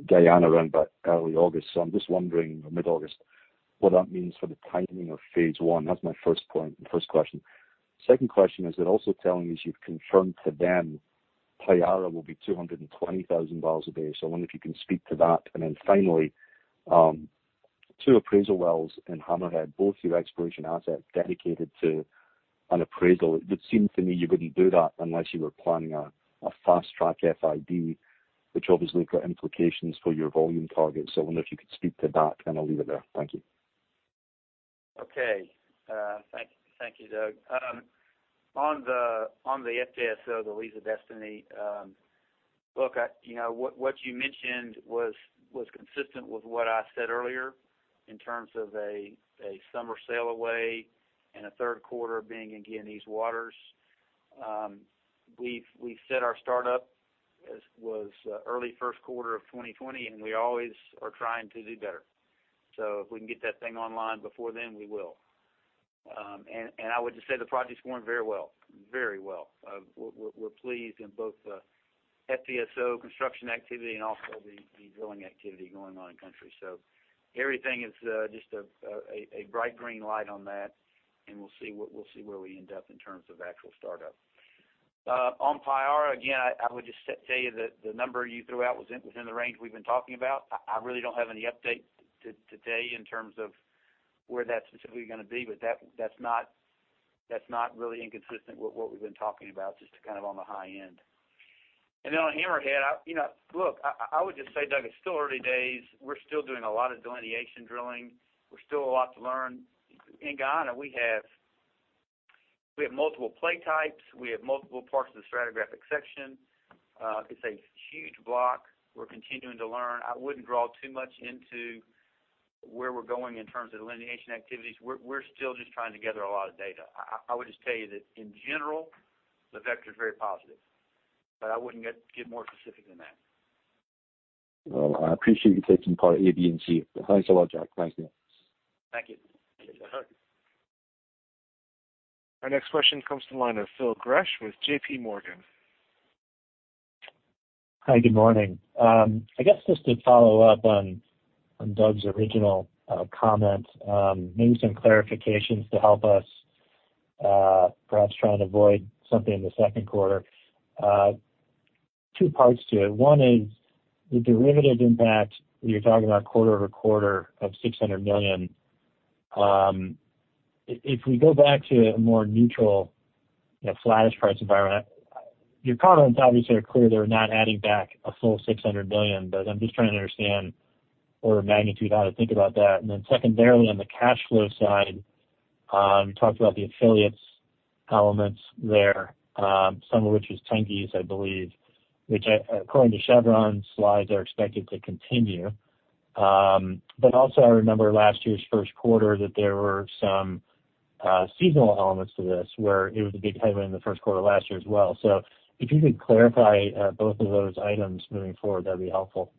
Guyana around about early August. I'm just wondering, or mid-August, what that means for the timing of phase one. That's my first point and first question. Second question is, they're also telling me, as you've confirmed to them, Payara will be 220,000 barrels a day. I wonder if you can speak to that. Finally, two appraisal wells in Hammerhead, both your exploration assets dedicated to an appraisal. It would seem to me you wouldn't do that unless you were planning a fast-track FID, which obviously has got implications for your volume targets. I wonder if you could speak to that, and I'll leave it there. Thank you. Okay. Thank you, Doug. On the FPSO, the Liza Destiny. Look, what you mentioned was consistent with what I said earlier in terms of a summer sail away and a third quarter being in Guyanese waters. We've set our startup as early first quarter of 2020, and we always are trying to do better. If we can get that thing online before then, we will. I would just say the project's going very well. We're pleased in both FPSO construction activity and also the drilling activity going on in country. Everything is just a bright green light on that, and we'll see where we end up in terms of actual startup. On Payara, again, I would just tell you that the number you threw out was within the range we've been talking about. I really don't have any update today in terms of where that's specifically going to be, but that's not really inconsistent with what we've been talking about, just on the high end. On Hammerhead, look, I would just say, Doug, it's still early days. We're still doing a lot of delineation drilling. There's still a lot to learn. In Guyana, we have multiple play types. We have multiple parts of the stratigraphic section. It's a huge block. We're continuing to learn. I wouldn't draw too much into where we're going in terms of delineation activities. We're still just trying to gather a lot of data. I would just tell you that in general, the vector is very positive, but I wouldn't get more specific than that. Well, I appreciate you taking part A, B, and C. Thanks a lot, Jack. Thanks. Thank you. You bet. Our next question comes from the line of Phil Gresh with JPMorgan. Hi, good morning. I guess just to follow up on Doug's original comment, maybe some clarifications to help us perhaps try and avoid something in the second quarter. Two parts to it. One is the derivative impact, when you're talking about quarter-over-quarter of $600 million. If we go back to a more neutral flattish price environment, your comments obviously are clear they're not adding back a full $600 million. I'm just trying to understand order of magnitude, how to think about that. Secondarily, on the cash flow side, you talked about the affiliates elements there, some of which is Tengiz, I believe, which according to Chevron's slides, are expected to continue. Also, I remember last year's first quarter that there were some seasonal elements to this where it was a big headwind in the first quarter last year as well. If you could clarify both of those items moving forward, that'd be helpful.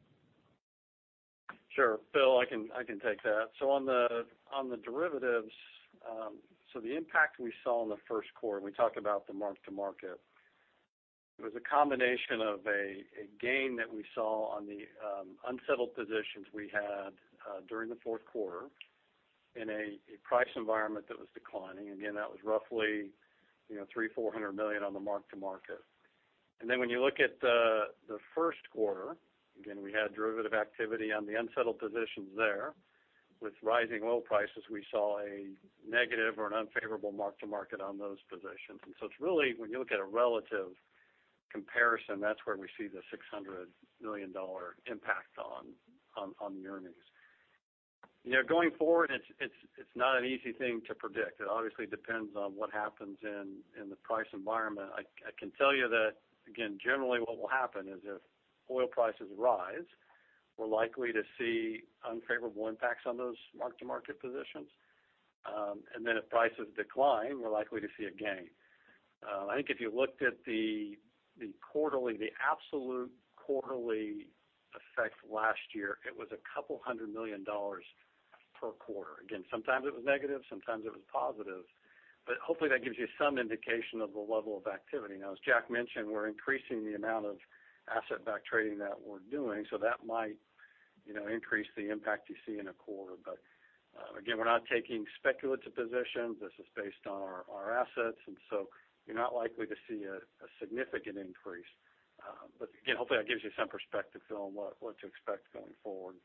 Sure. Phil, I can take that. On the derivatives, the impact we saw in the first quarter, we talked about the mark to market. It was a combination of a gain that we saw on the unsettled positions we had during the fourth quarter in a price environment that was declining. That was roughly $300 million-$400 million on the mark to market. When you look at the first quarter, we had derivative activity on the unsettled positions there. With rising oil prices, we saw a negative or an unfavorable mark to market on those positions. It's really, when you look at a relative comparison, that's where we see the $600 million impact on the earnings. Going forward, it's not an easy thing to predict. It obviously depends on what happens in the price environment. I can tell you that, generally what will happen is if oil prices rise, we're likely to see unfavorable impacts on those mark-to-market positions. If prices decline, we're likely to see a gain. I think if you looked at the absolute quarterly effect last year, it was a couple hundred million dollars per quarter. Sometimes it was negative, sometimes it was positive. Hopefully, that gives you some indication of the level of activity. Now, as Jack mentioned, we're increasing the amount of asset-backed trading that we're doing, so that might increase the impact you see in a quarter. We're not taking speculative positions. This is based on our assets, you're not likely to see a significant increase. Hopefully, that gives you some perspective, Phil, on what to expect going forward.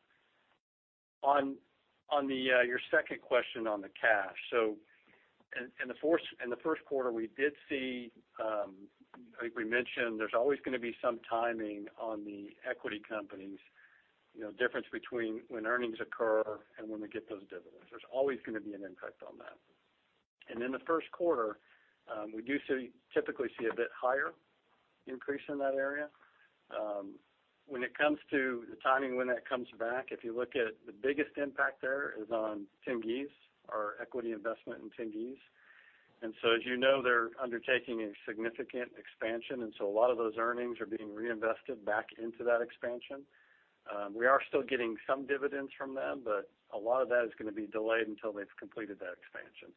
On your second question on the cash. In the first quarter, there's always going to be some timing on the equity companies, difference between when earnings occur and when we get those dividends. There's always going to be an impact on that. In the first quarter, we do typically see a bit higher increase in that area. When it comes to the timing when that comes back, if you look at the biggest impact there is on Tengiz, our equity investment in Tengiz. As you know, they're undertaking a significant expansion, a lot of those earnings are being reinvested back into that expansion. We are still getting some dividends from them, a lot of that is going to be delayed until they've completed that expansion.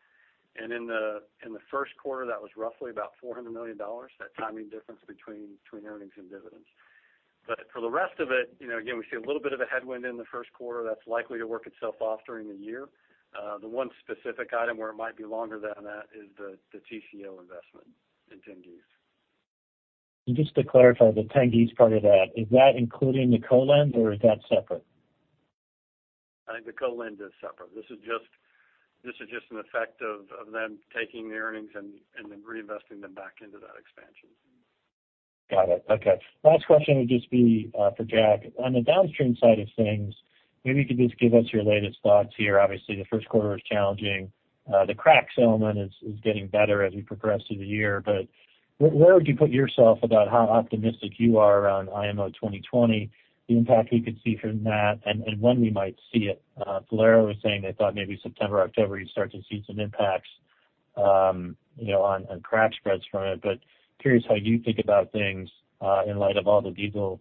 In the first quarter, that was roughly about $400 million, that timing difference between earnings and dividends. For the rest of it, we see a little bit of a headwind in the first quarter that's likely to work itself off during the year. The one specific item where it might be longer than that is the Tengizchevroil investment in Tengiz. Just to clarify the Tengiz part of that, is that including the co-lending or is that separate? I think the co-lending is separate. This is just an effect of them taking the earnings and then reinvesting them back into that expansion. Got it. Okay. Last question would just be for Jack. On the downstream side of things, maybe you could just give us your latest thoughts here. Obviously, the first quarter is challenging. The crack settlement is getting better as we progress through the year. Where would you put yourself about how optimistic you are around IMO 2020, the impact we could see from that, and when we might see it? Valero was saying they thought maybe September, October, you'd start to see some impacts on crack spreads from it. Curious how you think about things in light of all the diesel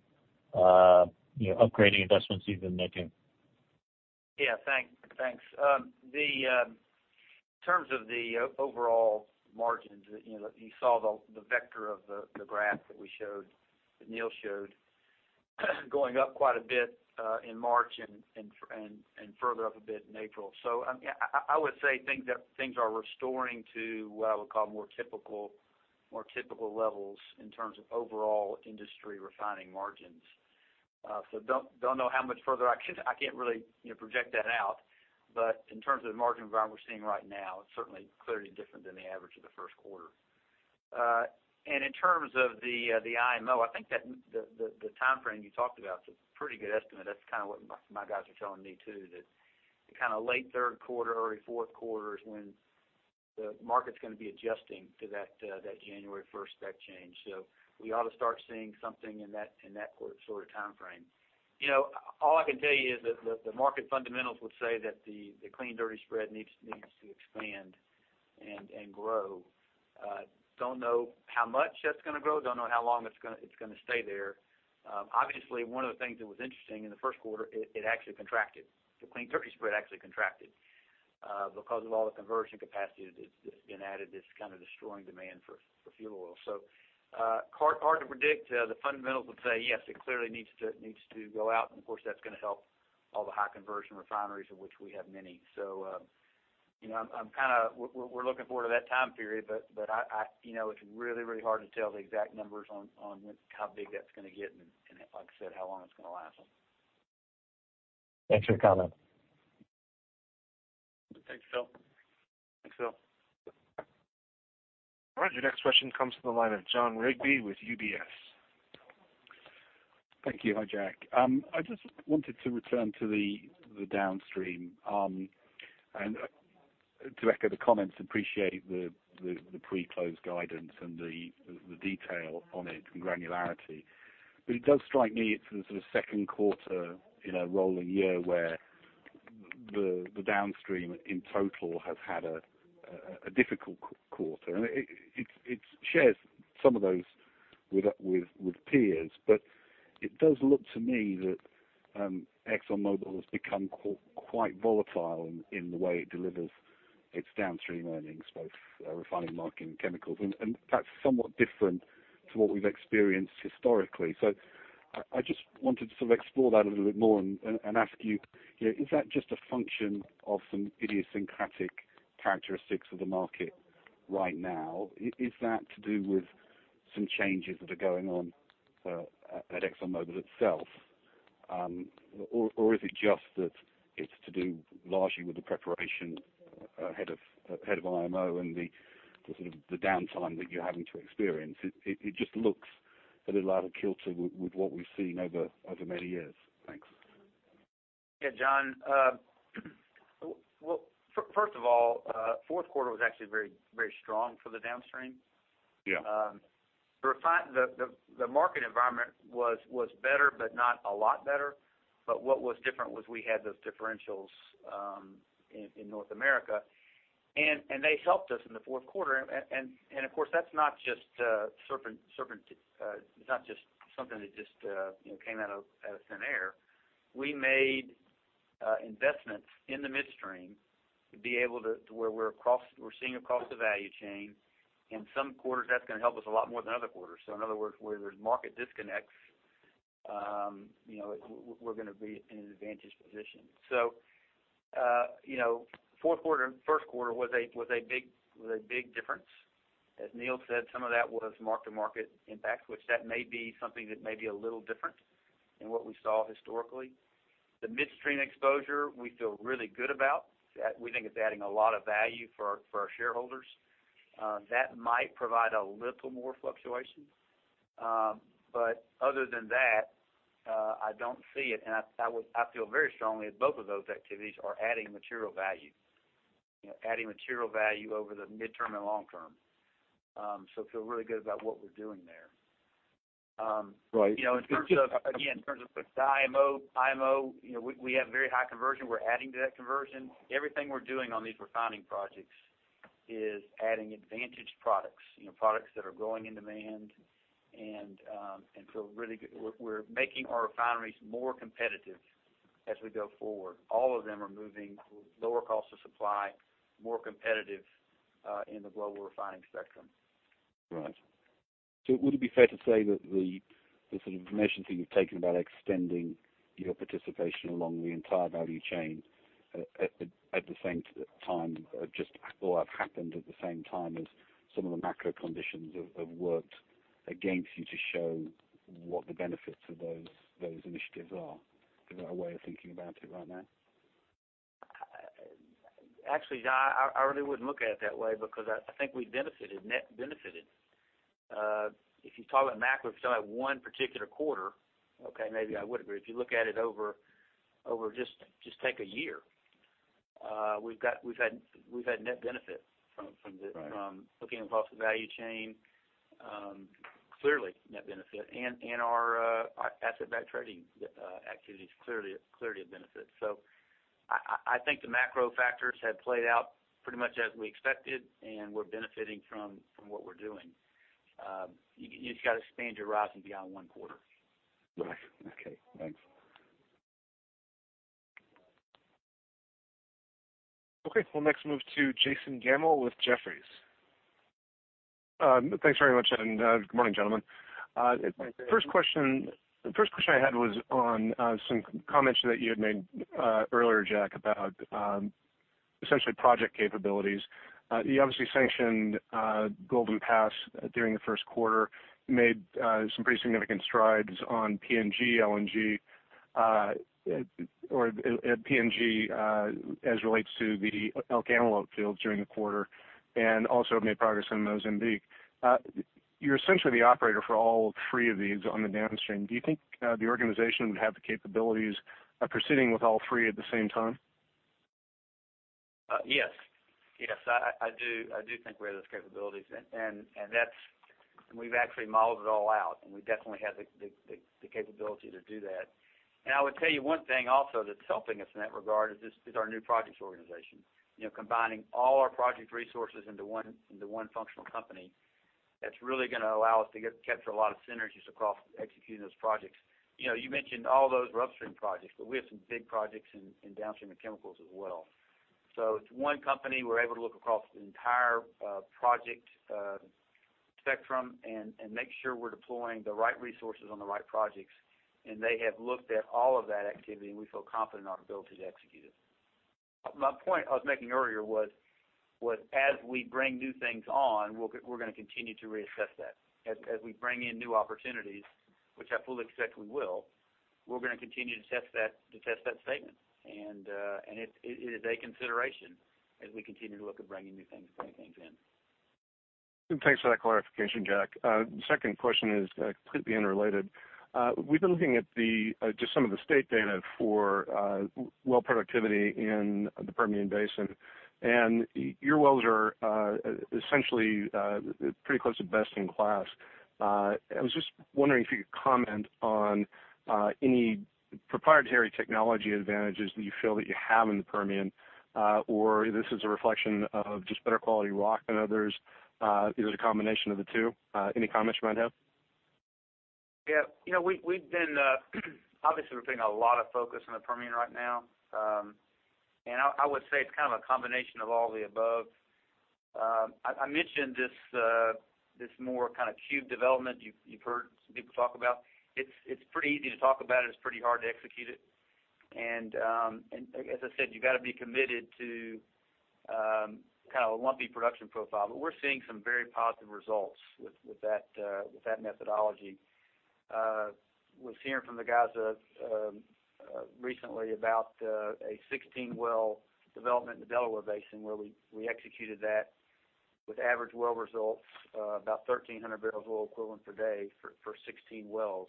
upgrading investments you've been making. Yeah. Thanks. In terms of the overall margins, you saw the vector of the graph that Neil showed going up quite a bit in March and further up a bit in April. I would say things are restoring to what I would call more typical levels in terms of overall industry refining margins. Don't know how much further I can't really project that out. In terms of the margin environment we're seeing right now, it's certainly clearly different than the average of the first quarter. In terms of the IMO, I think that the timeframe you talked about is a pretty good estimate. That's kind of what my guys are telling me, too, that late third quarter, early fourth quarter is when the market's going to be adjusting to that January 1st spec change. We ought to start seeing something in that sort of timeframe. All I can tell you is that the market fundamentals would say that the clean dirty spread needs to expand and grow. Don't know how much that's going to grow. Don't know how long it's going to stay there. Obviously, one of the things that was interesting in the first quarter, it actually contracted. The clean dirty spread actually contracted because of all the conversion capacity that's been added that's kind of destroying demand for fuel oil. Hard to predict. The fundamentals would say, yes, it clearly needs to go out, and of course, that's going to help all the high conversion refineries of which we have many. We're looking forward to that time period, but it's really hard to tell the exact numbers on how big that's going to get and, like I said, how long it's going to last. Thanks for your comment. Thanks, Phil. Your next question comes from the line of Jon Rigby with UBS. Thank you. Hi, Jack. I just wanted to return to the downstream. To echo the comments, appreciate the pre-close guidance and the detail on it and granularity. It does strike me it's the sort of second quarter rolling year where the downstream in total has had a difficult quarter, and it shares some of those with peers. It does look to me that ExxonMobil has become quite volatile in the way it delivers its downstream earnings, both refining margin chemicals, and that's somewhat different to what we've experienced historically. I just wanted to sort of explore that a little bit more and ask you, is that just a function of some idiosyncratic characteristics of the market right now? Is that to do with some changes that are going on at ExxonMobil itself? Is it just that it's to do largely with the preparation ahead of IMO and the sort of downtime that you're having to experience? It just looks a little out of kilter with what we've seen over many years. Thanks. Yeah, Jon. First of all, fourth quarter was actually very strong for the downstream. Yeah. The market environment was better, but not a lot better. What was different was we had those differentials in North America, and they helped us in the fourth quarter. Of course, that's not just something that just came out of thin air. We made investments in the midstream to be able to where we're seeing across the value chain. In some quarters, that's going to help us a lot more than other quarters. In other words, where there's market disconnects we're going to be in an advantage position. Fourth quarter and first quarter was a big difference. As Neil said, some of that was mark-to-market impact, which that may be something that may be a little different in what we saw historically. The midstream exposure we feel really good about. We think it's adding a lot of value for our shareholders. That might provide a little more fluctuation. Other than that I don't see it, and I feel very strongly that both of those activities are adding material value over the midterm and long term. Feel really good about what we're doing there. Right. Again, in terms of the IMO, we have very high conversion. We're adding to that conversion. Everything we're doing on these refining projects is adding advantage products. Products that are growing in demand, feel really good. We're making our refineries more competitive as we go forward. All of them are moving lower cost of supply, more competitive in the global refining spectrum. Right. Would it be fair to say that the sort of measures that you've taken about extending your participation along the entire value chain at the same time just all have happened at the same time as some of the macro conditions have worked against you to show what the benefits of those initiatives are? Is that a way of thinking about it right now? Actually, Jon, I really wouldn't look at it that way because I think we benefited. Net benefited. If you're talking about macro, if you're talking about one particular quarter, okay, maybe I would agree. If you look at it over just take a year we've had net benefit from. Right looking across the value chain. Clearly net benefit and our asset-backed trading activity is clearly a benefit. I think the macro factors have played out pretty much as we expected, and we're benefiting from what we're doing. You just got to expand your horizon beyond one quarter. Right. Okay, thanks. Okay. We'll next move to Jason Gammel with Jefferies. Thanks very much, and good morning, gentlemen. Thanks, Jason. The first question I had was on some comments that you had made earlier, Jack, about essentially project capabilities. You obviously sanctioned Golden Pass during the first quarter, made some pretty significant strides on PNG, LNG, or PNG as relates to the Elk Antelope fields during the quarter, and also made progress on Mozambique. You're essentially the operator for all three of these on the downstream. Do you think the organization would have the capabilities of proceeding with all three at the same time? Yes. I do think we have those capabilities, and we've actually modeled it all out, and we definitely have the capability to do that. I would tell you one thing also that's helping us in that regard is our new projects organization. Combining all our project resources into one functional company, that's really going to allow us to capture a lot of synergies across executing those projects. You mentioned all those were upstream projects, but we have some big projects in downstream and chemicals as well. It's one company. We're able to look across the entire project spectrum and make sure we're deploying the right resources on the right projects, and they have looked at all of that activity, and we feel confident in our ability to execute it. My point I was making earlier was as we bring new things on, we're going to continue to reassess that. As we bring in new opportunities, which I fully expect we will, we're going to continue to test that statement. It is a consideration as we continue to look at bringing new things in. Thanks for that clarification, Jack. Second question is completely unrelated. We've been looking at just some of the state data for well productivity in the Permian Basin, and your wells are essentially pretty close to best in class. I was just wondering if you could comment on any proprietary technology advantages that you feel that you have in the Permian, or this is a reflection of just better quality rock than others. Is it a combination of the two? Any comments you might have? Yeah. Obviously, we're putting a lot of focus on the Permian right now. I would say it's kind of a combination of all the above. I mentioned this more kind of cube development you've heard some people talk about. It's pretty easy to talk about it. It's pretty hard to execute it. As I said, you've got to be committed to kind of a lumpy production profile. We're seeing some very positive results with that methodology. Was hearing from the guys recently about a 16-well development in the Delaware Basin, where we executed that with average well results of about 1,300 barrels of oil equivalent per day for 16 wells.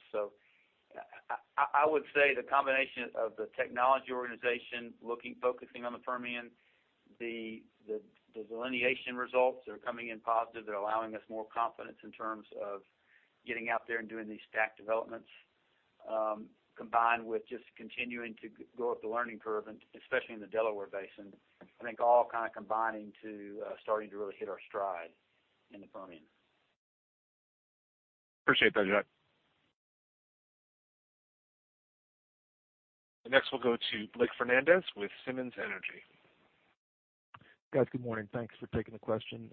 I would say the combination of the technology organization looking, focusing on the Permian, the delineation results are coming in positive. They're allowing us more confidence in terms of getting out there and doing these stack developments, combined with just continuing to go up the learning curve, and especially in the Delaware Basin. I think all kind of combining to starting to really hit our stride in the Permian. Appreciate that, Jack. Next, we'll go to Blake Fernandez with Simmons Energy. Guys, good morning. Thanks for taking the question.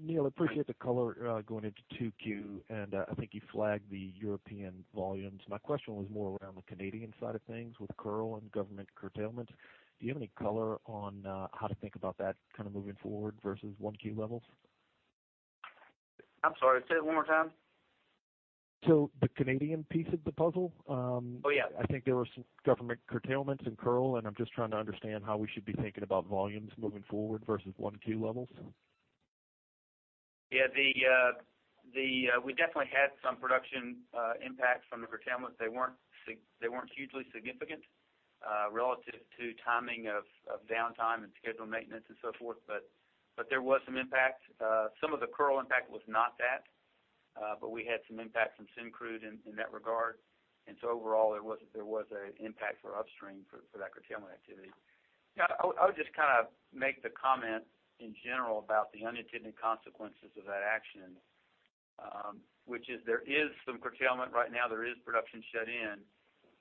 Neil, appreciate the color going into 2Q, and I think you flagged the European volumes. My question was more around the Canadian side of things with Kearl and government curtailment. Do you have any color on how to think about that kind of moving forward versus 1Q levels? I'm sorry, say that one more time. The Canadian piece of the puzzle. Oh, yeah. I think there were some government curtailments in Kearl. I'm just trying to understand how we should be thinking about volumes moving forward versus 1Q levels. Yeah. We definitely had some production impacts from the curtailment. They weren't hugely significant relative to timing of downtime and scheduled maintenance and so forth. There was some impact. Some of the Kearl impact was not that. We had some impact from Syncrude in that regard. Overall, there was an impact for upstream for that curtailment activity. I would just kind of make the comment in general about the unintended consequences of that action, which is there is some curtailment right now. There is production shut in,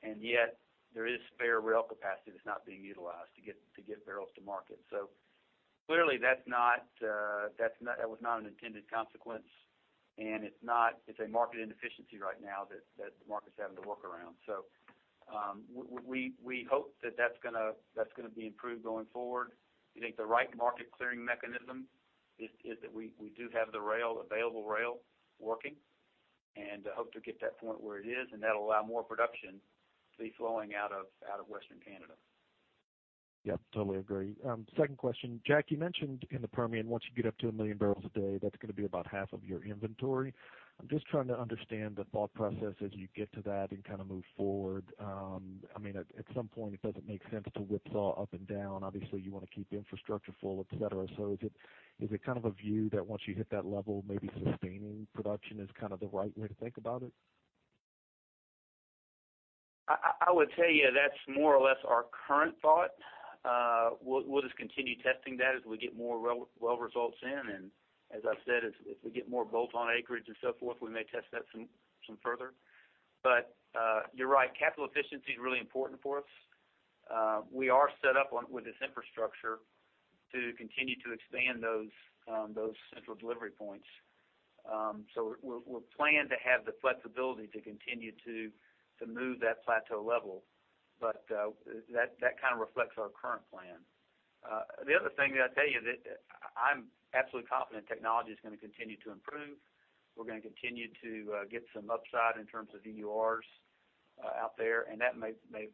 and yet there is spare rail capacity that's not being utilized to get barrels to market. Clearly that was not an intended consequence, and it's a market inefficiency right now that the market's having to work around. We hope that that's going to be improved going forward. We think the right market clearing mechanism is that we do have the available rail working. Hope to get that to a point where it is. That'll allow more production to be flowing out of Western Canada. Yes, totally agree. Second question. Jack, you mentioned in the Permian, once you get up to 1 million barrels a day, that's going to be about half of your inventory. I'm just trying to understand the thought process as you get to that and kind of move forward. At some point, it doesn't make sense to whipsaw up and down. Obviously, you want to keep infrastructure full, et cetera. Is it kind of a view that once you hit that level, maybe sustaining production is kind of the right way to think about it? I would tell you that's more or less our current thought. We'll just continue testing that as we get more well results in, and as I've said, as we get more bolt-on acreage and so forth, we may test that some further. You're right, capital efficiency is really important for us. We are set up with this infrastructure to continue to expand those central delivery points. We'll plan to have the flexibility to continue to move that plateau level. That kind of reflects our current plan. The other thing that I'll tell you, that I'm absolutely confident technology is going to continue to improve. We're going to continue to get some upside in terms of EORs out there, and that may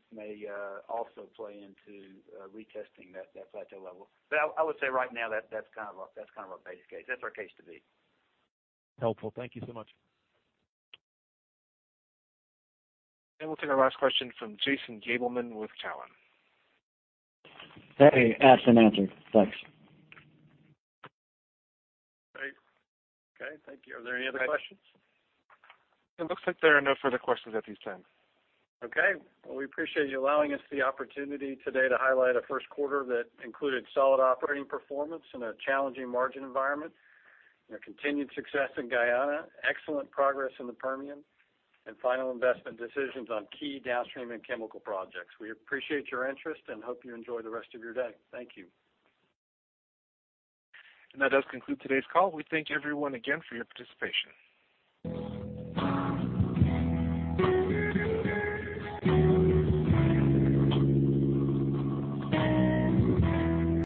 also play into retesting that plateau level. I would say right now, that's kind of our base case. That's our case to date. Helpful. Thank you so much. We'll take our last question from Jason Gabelman with Cowen. Hey. Asked and answered. Thanks. Great. Okay. Thank you. Are there any other questions? It looks like there are no further questions at this time. Okay. Well, we appreciate you allowing us the opportunity today to highlight a first quarter that included solid operating performance in a challenging margin environment, and our continued success in Guyana, excellent progress in the Permian, and final investment decisions on key downstream and chemical projects. We appreciate your interest and hope you enjoy the rest of your day. Thank you. That does conclude today's call. We thank everyone again for your participation.